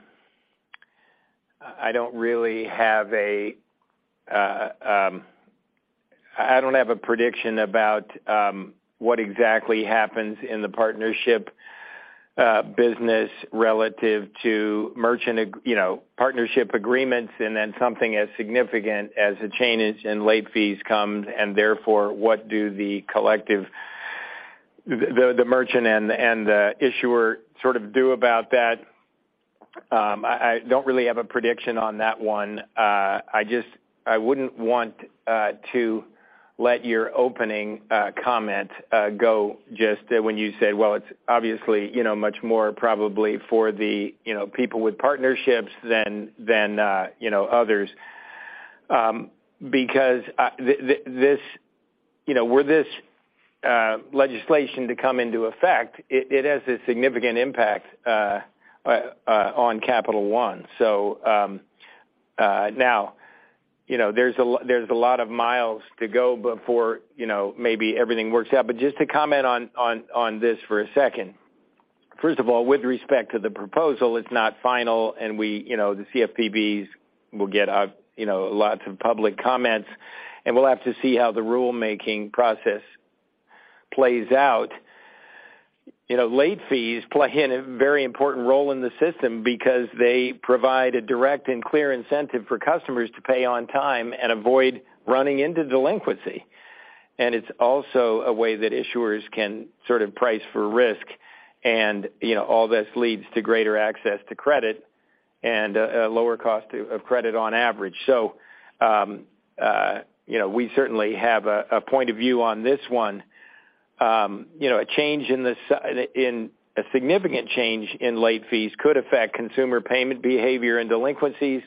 Speaker 4: don't really have a, I don't have a prediction about what exactly happens in the partnership business relative to merchant you know, partnership agreements and then something as significant as a change in late fees comes, and therefore, what do the collective, the merchant and the issuer sort of do about that. I don't really have a prediction on that one. I wouldn't want to let your opening comment go just when you say, well, it's obviously, you know, much more probably for the, you know, people with partnerships than, you know, others. Because this, you know, were this legislation to come into effect, it has a significant impact on Capital One. Now, you know, there's a lot of miles to go before, you know, maybe everything works out. Just to comment on this for a second. First of all, with respect to the proposal, it's not final, and we, you know, the CFPBs will get, you know, lots of public comments, and we'll have to see how the rulemaking process plays out. You know, late fees play in a very important role in the system because they provide a direct and clear incentive for customers to pay on time and avoid running into delinquency. It's also a way that issuers can sort of price for risk and, you know, all this leads to greater access to credit and a lower cost of credit on average. You know, we certainly have a point of view on this one. You know, a significant change in late fees could affect consumer payment behavior and delinquencies.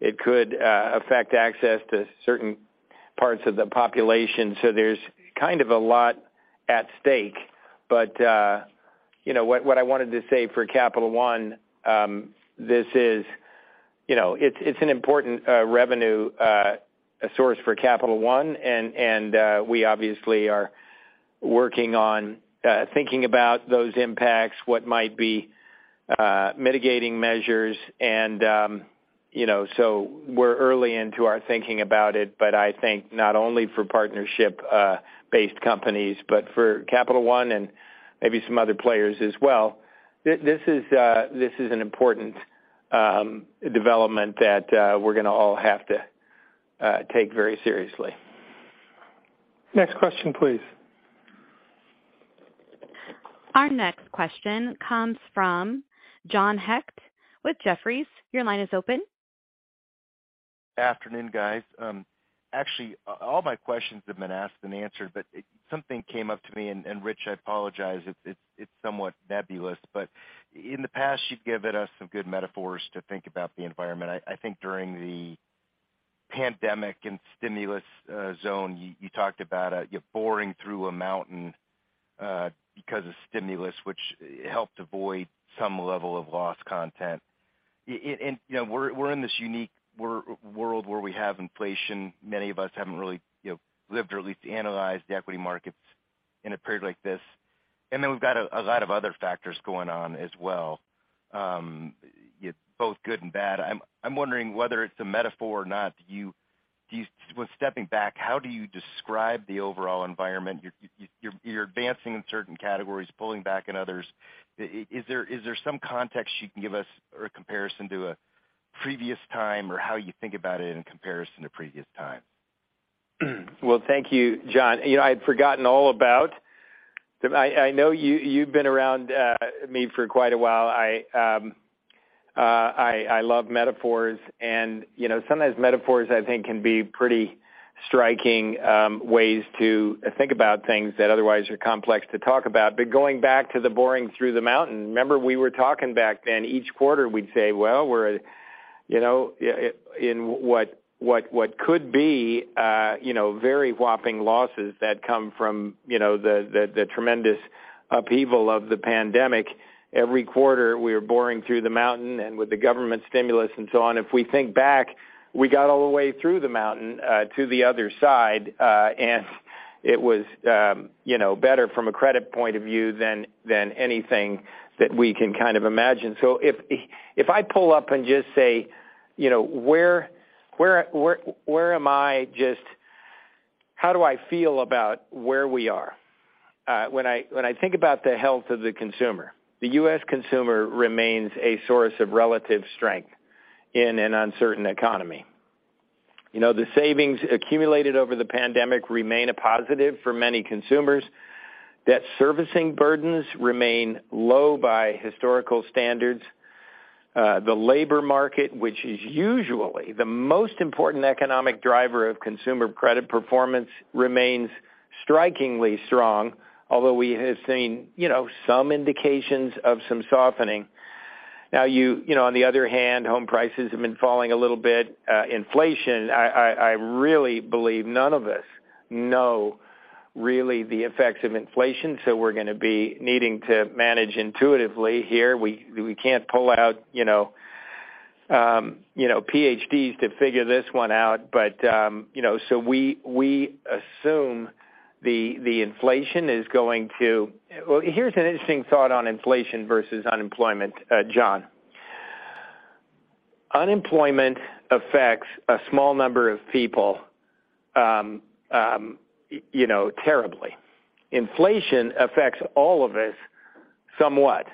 Speaker 4: It could affect access to certain parts of the population. There's kind of a lot at stake. You know, what I wanted to say for Capital One, this is, you know, it's an important revenue source for Capital One, and we obviously are working on thinking about those impacts, what might be mitigating measures. You know, we're early into our thinking about it, but I think not only for partnership based companies, but for Capital One and maybe some other players as well. This is, this is an important development that we're gonna all have to take very seriously.
Speaker 2: Next question, please.
Speaker 1: Our next question comes from John Hecht with Jefferies. Your line is open.
Speaker 12: Afternoon, guys. Actually, all my questions have been asked and answered, but something came up to me. Rich, I apologize, it's somewhat nebulous. In the past, you've given us some good metaphors to think about the environment. I think during the pandemic and stimulus zone, you talked about you're boring through a mountain because of stimulus, which helped avoid some level of loss content. You know, we're in this unique world where we have inflation. Many of us haven't really, you know, lived or at least analyzed the equity markets in a period like this. We've got a lot of other factors going on as well, both good and bad. I'm wondering whether it's a metaphor or not. With stepping back, how do you describe the overall environment? You're advancing in certain categories, pulling back in others. Is there some context you can give us or a comparison to a previous time or how you think about it in comparison to previous times?
Speaker 4: Well, thank you, John. You know, I'd forgotten all about—I know you've been around me for quite a while. I love metaphors. You know, sometimes metaphors, I think, can be pretty striking ways to think about things that otherwise are complex to talk about. Going back to the boring through the mountain, remember we were talking back then, each quarter we'd say, well, we're, you know, in what could be, you know, very whopping losses that come from, you know, the tremendous upheaval of the pandemic. Every quarter, we were boring through the mountain and with the government stimulus and so on. If we think back, we got all the way through the mountain to the other side, it was, you know, better from a credit point of view than anything that we can kind of imagine. If, if I pull up and just say, you know, where, how do I feel about where we are? When I, when I think about the health of the consumer, the U.S. consumer remains a source of relative strength in an uncertain economy. You know, the savings accumulated over the pandemic remain a positive for many consumers. Debt servicing burdens remain low by historical standards. The labor market, which is usually the most important economic driver of consumer credit performance, remains strikingly strong, although we have seen, you know, some indications of some softening. You, you know, on the other hand, home prices have been falling a little bit. Inflation, I, I really believe none of us know really the effects of inflation, so we're gonna be needing to manage intuitively here. We, we can't pull out, you know, you know, PhDs to figure this one out. You know, so we assume the inflation is going to, well, here's an interesting thought on inflation versus unemployment, John. Unemployment affects a small number of people, you know, terribly. Inflation affects all of us somewhat.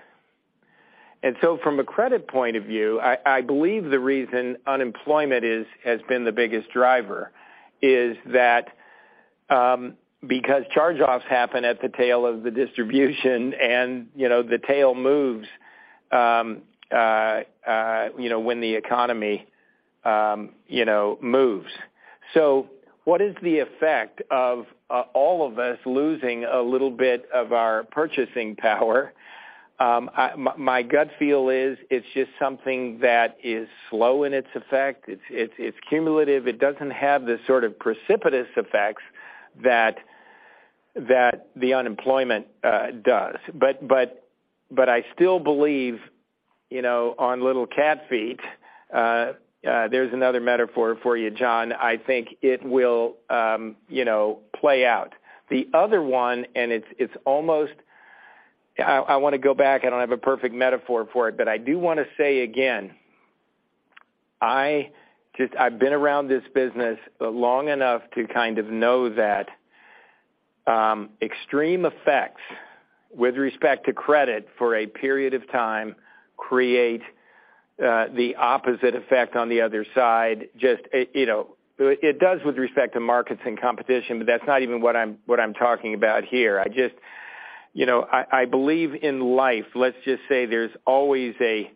Speaker 4: From a credit point of view, I believe the reason unemployment has been the biggest driver is that, because charge-offs happen at the tail of the distribution and, you know, the tail moves, you know, when the economy, you know, moves. What is the effect of all of us losing a little bit of our purchasing power? My gut feel is it's just something that is slow in its effect. It's cumulative. It doesn't have the sort of precipitous effects that the unemployment does. I still believe, you know, on little cat feet, there's another metaphor for you, John. I think it will, you know, play out. The other one, and it's almost I wanna go back. I don't have a perfect metaphor for it, but I do wanna say again, I've been around this business long enough to kind of know that extreme effects with respect to credit for a period of time create the opposite effect on the other side. Just, you know, it does with respect to markets and competition, but that's not even what I'm talking about here. I just, you know, I believe in life. Let's just say there's always a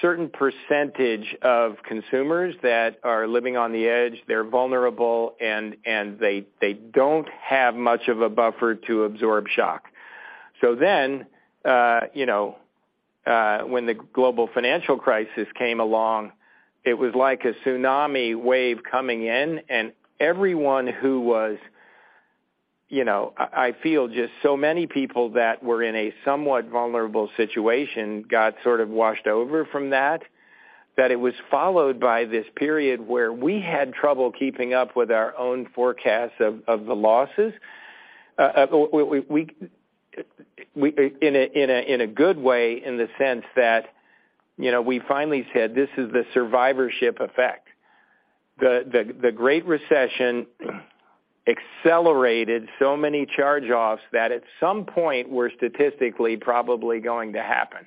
Speaker 4: certain percentage of consumers that are living on the edge, they're vulnerable, and they don't have much of a buffer to absorb shock. When the global financial crisis came along, it was like a tsunami wave coming in, and everyone who was, you know, I feel just so many people that were in a somewhat vulnerable situation got sort of washed over from that it was followed by this period where we had trouble keeping up with our own forecast of the losses. In a good way, in the sense that, you know, we finally said, "This is the survivorship effect." The Great Recession accelerated so many charge-offs that at some point were statistically probably going to happen,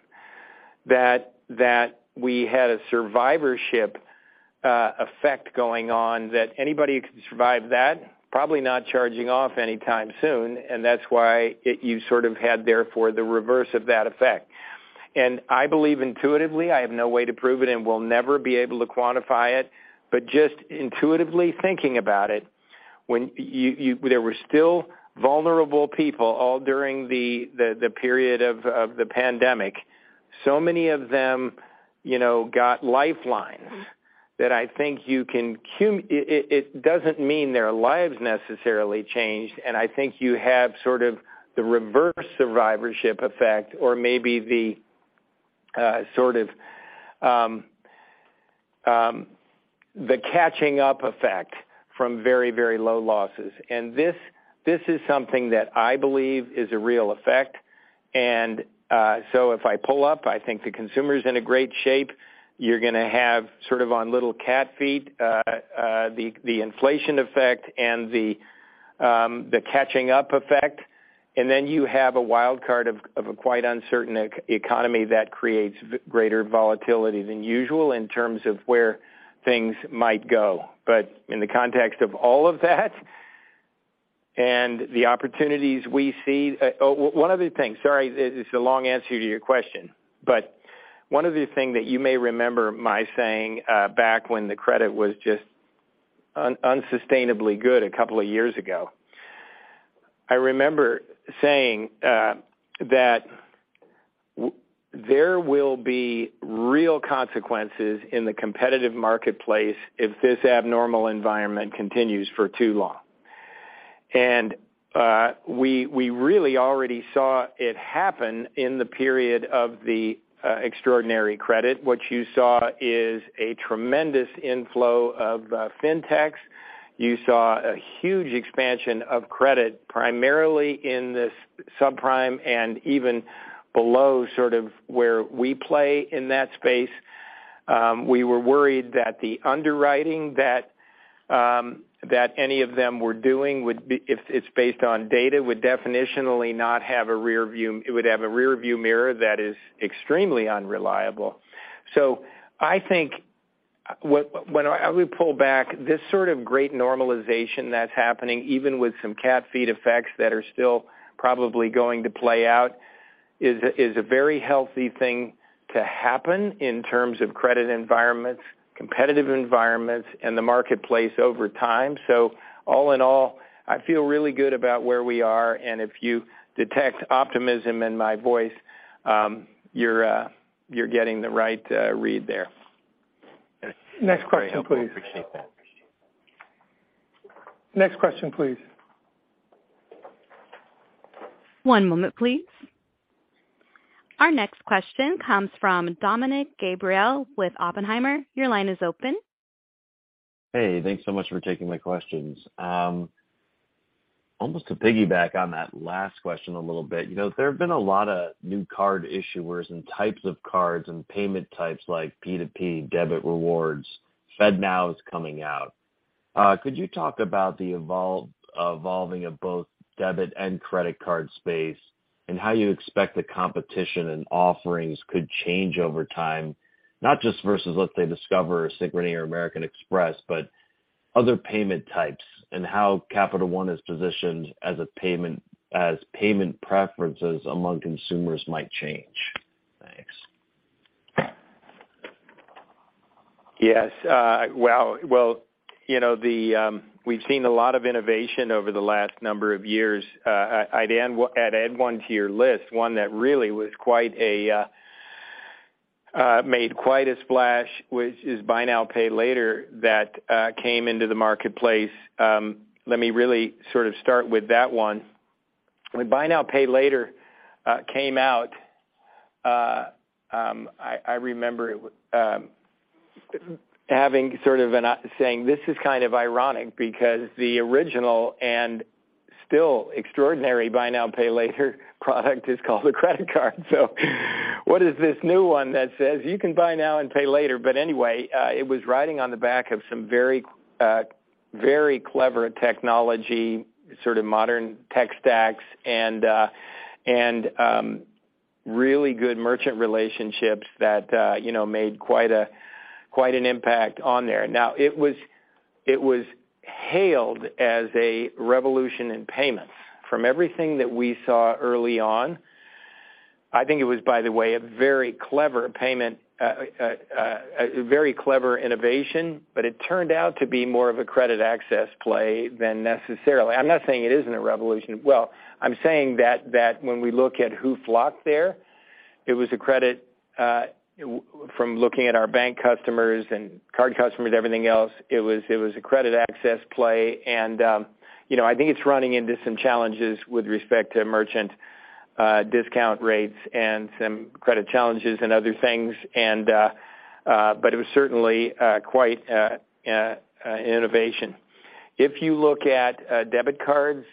Speaker 4: that we had a survivorship effect going on, that anybody who could survive that probably not charging off anytime soon, and that's why you sort of had therefore the reverse of that effect. I believe intuitively, I have no way to prove it and will never be able to quantify it, but just intuitively thinking about it, when there were still vulnerable people all during the period of the pandemic. Many of them, you know, got lifelines that I think you can It doesn't mean their lives necessarily changed, and I think you have sort of the reverse survivorship effect or maybe the sort of the catching up effect from very, very low losses. This is something that I believe is a real effect. If I pull up, I think the consumer's in a great shape. You're gonna have sort of on little cat feet the inflation effect and the catching up effect. Then you have a wildcard of a quite uncertain economy that creates greater volatility than usual in terms of where things might go. In the context of all of that and the opportunities we see—one other thing. Sorry, it's a long answer to your question. One other thing that you may remember my saying, back when the credit was just unsustainably good a couple of years ago. I remember saying that there will be real consequences in the competitive marketplace if this abnormal environment continues for too long. We really already saw it happen in the period of the extraordinary credit. What you saw is a tremendous inflow of fintechs. You saw a huge expansion of credit, primarily in this subprime and even below sort of where we play in that space. We were worried that the underwriting that any of them were doing it's based on data, would definitionally not have a rearview mirror that is extremely unreliable. I think as we pull back, this sort of great normalization that's happening, even with some cat feet effects that are still probably going to play out, is a very healthy thing to happen in terms of credit environments, competitive environments, and the marketplace over time. All in all, I feel really good about where we are, and if you detect optimism in my voice, you're getting the right read there.
Speaker 2: Next question, please.
Speaker 12: I appreciate that.
Speaker 2: Next question, please.
Speaker 1: One moment, please. Our next question comes from Dominick Gabriele with Oppenheimer. Your line is open.
Speaker 13: Thanks so much for taking my questions. Almost to piggyback on that last question a little bit. You know, there have been a lot of new card issuers and types of cards and payment types like P2P, debit rewards. FedNow is coming out. Could you talk about the evolving of both debit and credit card space and how you expect the competition and offerings could change over time, not just versus, let's say, Discover or Synchrony or American Express, but other payment types, and how Capital One is positioned as payment preferences among consumers might change? Thanks.
Speaker 4: Yes. well, you know, the, we've seen a lot of innovation over the last number of years. I'd add one to your list, one that really was quite a made quite a splash, which is buy now, pay later, that came into the marketplace. Let me really sort of start with that one. When buy now, pay later, came out, I remember having sort of saying this is kind of ironic because the original and still extraordinary buy now, pay later product is called the credit card. What is this new one that says you can buy now and pay later? Anyway, it was riding on the back of some very, very clever technology, sort of modern tech stacks and, really good merchant relationships that, you know, made quite a, quite an impact on there. It was hailed as a revolution in payments. From everything that we saw early on, I think it was, by the way, a very clever payment, a very clever innovation, but it turned out to be more of a credit access play than necessarily. I'm not saying it isn't a revolution. I'm saying that when we look at who flocked there, it was a credit, from looking at our bank customers and card customers, everything else, it was a credit access play. You know, I think it's running into some challenges with respect to merchant discount rates and some credit challenges and other things. But it was certainly quite an innovation. If you look at debit cards,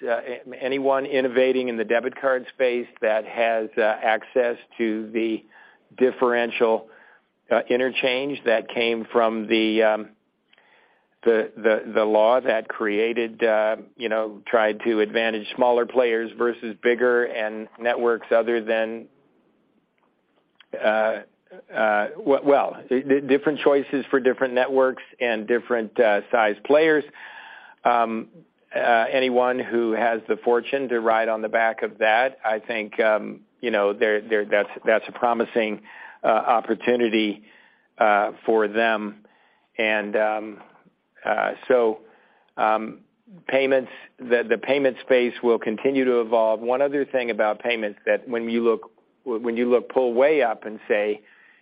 Speaker 4: anyone innovating in the debit card space that has access to the differential interchange that came from the law that created, you know, tried to advantage smaller players versus bigger and networks other than, well, different choices for different networks and different size players. Anyone who has the fortune to ride on the back of that, I think, you know, that's a promising opportunity for them. So payments, the payment space will continue to evolve. One other thing about payments that when you look pull way up and say,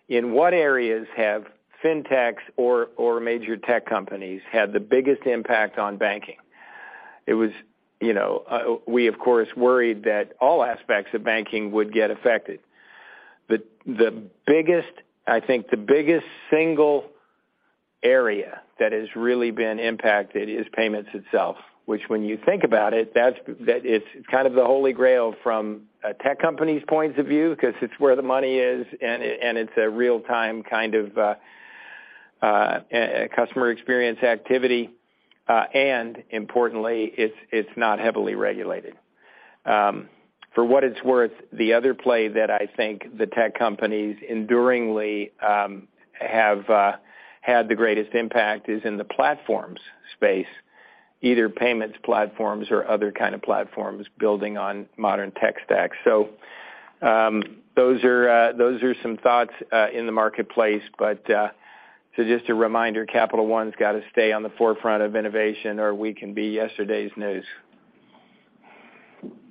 Speaker 4: in what areas have fintechs or major tech companies had the biggest impact on banking? It was, you know, we of course, worried that all aspects of banking would get affected. The biggest, I think the biggest single area that has really been impacted is payments itself, which when you think about it, that it's kind of the holy grail from a tech company's point of view because it's where the money is and it, and it's a real time kind of customer experience activity. Importantly, it's not heavily regulated. For what it's worth, the other play that I think the tech companies enduringly have had the greatest impact is in the platforms space, either payments platforms or other kind of platforms building on modern tech stacks. Those are some thoughts in the marketplace. Just a reminder, Capital One's got to stay on the forefront of innovation or we can be yesterday's news.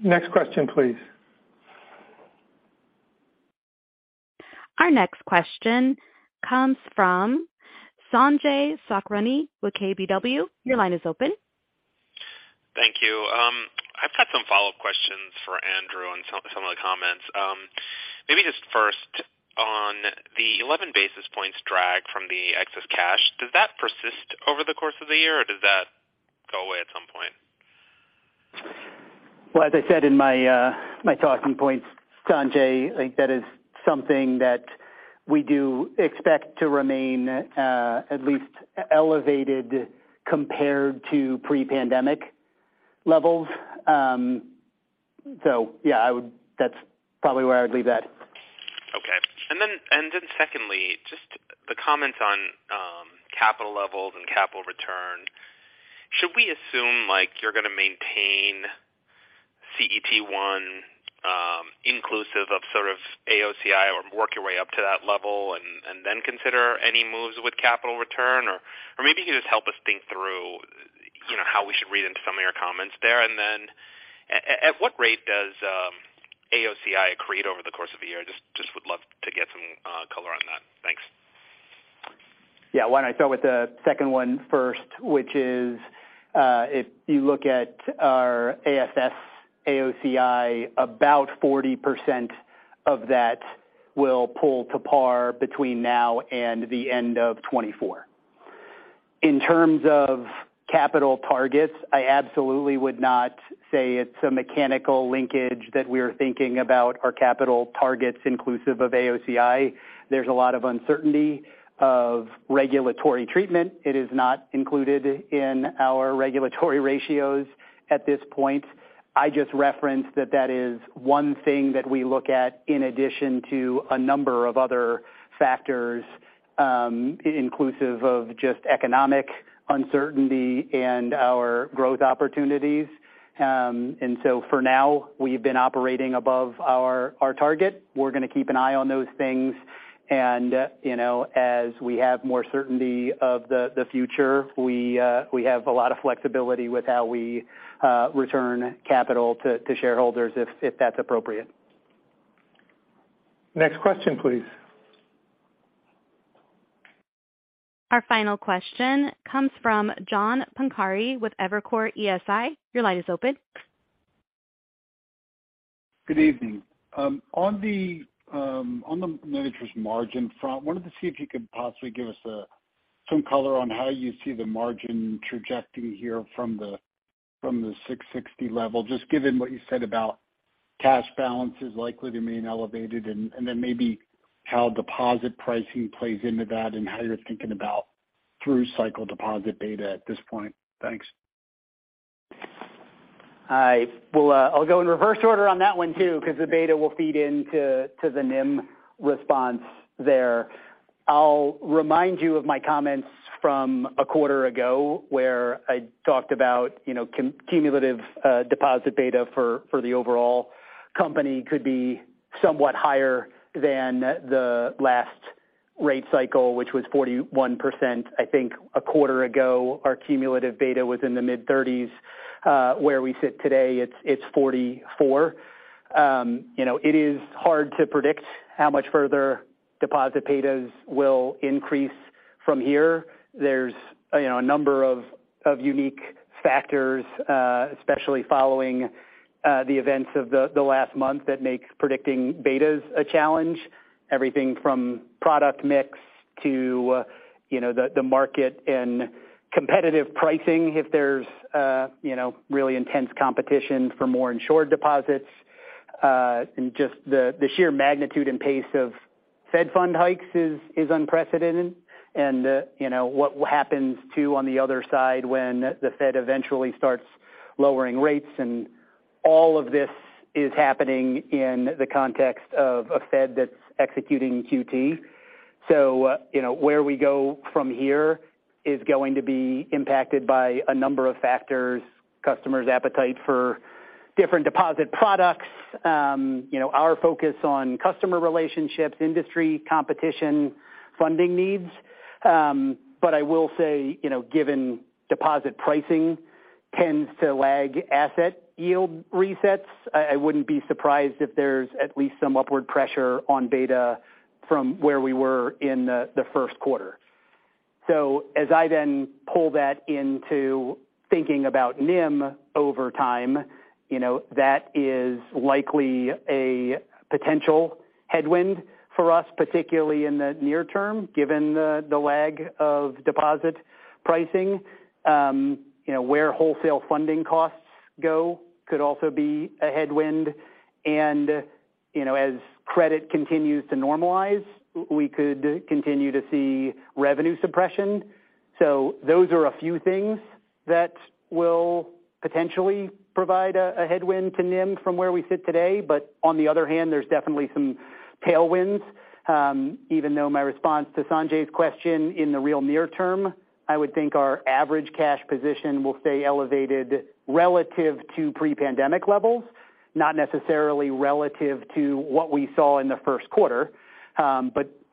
Speaker 2: Next question, please.
Speaker 1: Our next question comes from Sanjay Sakhrani with KBW. Your line is open.
Speaker 14: Thank you. I've got some follow-up questions for Andrew on some of the comments. Maybe just first on the 11 basis points drag from the excess cash. Does that persist over the course of the year, or does that go away at some point?
Speaker 3: Well, as I said in my talking points, Sanjay, I think that is something that we do expect to remain, at least elevated compared to pre-pandemic levels. Yeah, I would that's probably where I would leave that.
Speaker 14: Okay. Secondly, just the comments on capital levels and capital return. Should we assume like you're going to maintain CET1, inclusive of sort of AOCI or work your way up to that level and then consider any moves with capital return? Or maybe you can just help us think through, you know, how we should read into some of your comments there. At what rate does AOCI accrete over the course of the year? Just would love to get some color on that. Thanks.
Speaker 3: Yeah. Why don't I start with the second one first, which is if you look at our AFS AOCI, about 40% of that will pull to par between now and the end of 2024. In terms of capital targets, I absolutely would not say it's a mechanical linkage that we are thinking about our capital targets inclusive of AOCI. There's a lot of uncertainty of regulatory treatment. It is not included in our regulatory ratios at this point. I just referenced that that is one thing that we look at in addition to a number of other factors, inclusive of just economic uncertainty and our growth opportunities. For now, we've been operating above our target. We're gonna keep an eye on those things. You know, as we have more certainty of the future, we have a lot of flexibility with how we return capital to shareholders if that's appropriate.
Speaker 2: Next question, please.
Speaker 1: Our final question comes from John Pancari with Evercore ISI. Your line is open.
Speaker 15: Good evening. On the net interest margin front, wanted to see if you could possibly give us some color on how you see the margin trajectory here from the 6.60% level? Just given what you said about cash balances likely to remain elevated, and then maybe how deposit pricing plays into that and how you're thinking about through cycle deposit beta at this point? Thanks.
Speaker 3: Well, I'll go in reverse order on that one too 'cause the beta will feed into the NIM response there. I'll remind you of my comments from a quarter ago, where I talked about, you know, cumulative deposit beta for the overall company could be somewhat higher than the last rate cycle, which was 41%. I think a quarter ago, our cumulative beta was in the mid-30s. Where we sit today, it's 44. You know, it is hard to predict how much further deposit betas will increase from here. There's, you know, a number of unique factors, especially following the events of the last month that makes predicting betas a challenge. Everything from product mix to, you know, the market and competitive pricing if there's, you know, really intense competition for more insured deposits. Just the sheer magnitude and pace of Fed fund hikes is unprecedented. You know, what happens too on the other side when the Fed eventually starts lowering rates, and all of this is happening in the context of a Fed that's executing QT. You know, where we go from here is going to be impacted by a number of factors, customers' appetite for different deposit products, you know, our focus on customer relationships, industry competition, funding needs. I will say, you know, given deposit pricing tends to lag asset yield resets, I wouldn't be surprised if there's at least some upward pressure on beta from where we were in the first quarter. As I then pull that into thinking about NIM over time, you know, that is likely a potential headwind for us, particularly in the near term, given the lag of deposit pricing. You know, where wholesale funding costs go could also be a headwind. You know, as credit continues to normalize, we could continue to see revenue suppression. Those are a few things that will potentially provide a headwind to NIM from where we sit today. On the other hand, there's definitely some tailwinds. Even though my response to Sanjay's question in the real near term, I would think our average cash position will stay elevated relative to pre-pandemic levels, not necessarily relative to what we saw in the first quarter.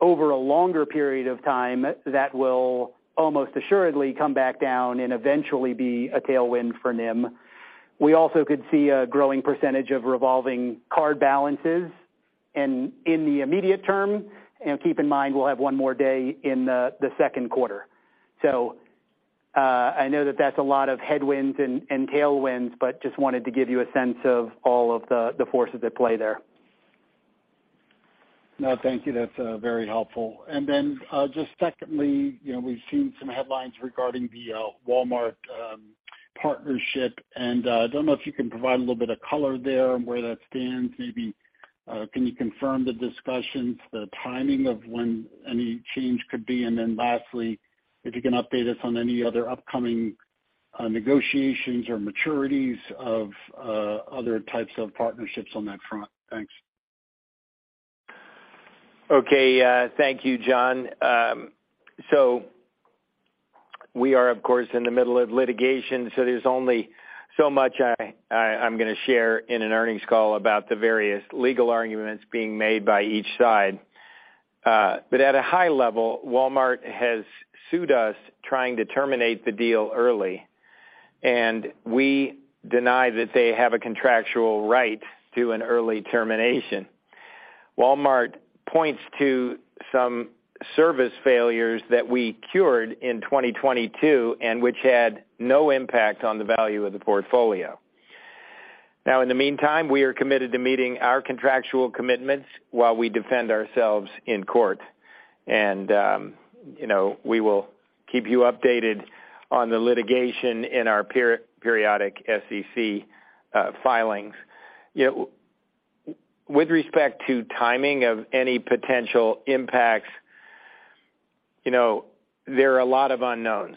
Speaker 3: Over a longer period of time, that will almost assuredly come back down and eventually be a tailwind for NIM. We also could see a growing percentage of revolving card balances. In the immediate term, you know, keep in mind, we'll have one more day in the second quarter. I know that that's a lot of headwinds and tailwinds, but just wanted to give you a sense of all of the forces at play there.
Speaker 15: No, thank you. That's very helpful. Just secondly, you know, we've seen some headlines regarding the Walmart partnership, and don't know if you can provide a little bit of color there on where that stands. Maybe, can you confirm the discussions, the timing of when any change could be? Lastly, if you can update us on any other upcoming negotiations or maturities of other types of partnerships on that front? Thanks.
Speaker 4: Okay. Thank you, John. We are of course in the middle of litigation, so there's only so much I'm gonna share in an earnings call about the various legal arguments being made by each side. At a high level, Walmart has sued us trying to terminate the deal early, and we deny that they have a contractual right to an early termination. Walmart points to some service failures that we cured in 2022 and which had no impact on the value of the portfolio. In the meantime, we are committed to meeting our contractual commitments while we defend ourselves in court. You know, we will keep you updated on the litigation in our periodic SEC filings. You know, with respect to timing of any potential impacts, you know, there are a lot of unknowns.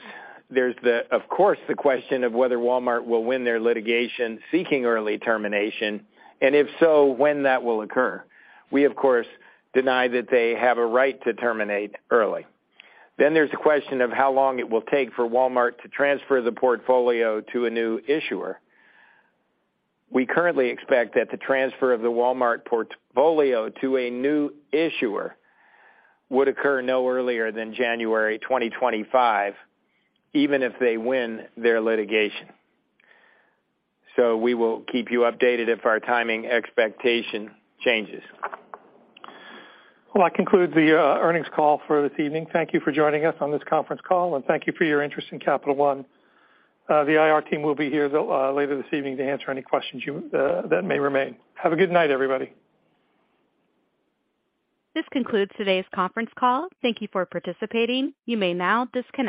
Speaker 4: There's the, of course, the question of whether Walmart will win their litigation seeking early termination, and if so, when that will occur. We, of course, deny that they have a right to terminate early. There's the question of how long it will take for Walmart to transfer the portfolio to a new issuer. We currently expect that the transfer of the Walmart portfolio to a new issuer would occur no earlier than January 2025, even if they win their litigation. We will keep you updated if our timing expectation changes.
Speaker 2: Well, that concludes the earnings call for this evening. Thank you for joining us on this conference call, and thank you for your interest in Capital One. The IR team will be here till later this evening to answer any questions you that may remain. Have a good night, everybody.
Speaker 1: This concludes today's conference call. Thank You for participating. You may now disconnect.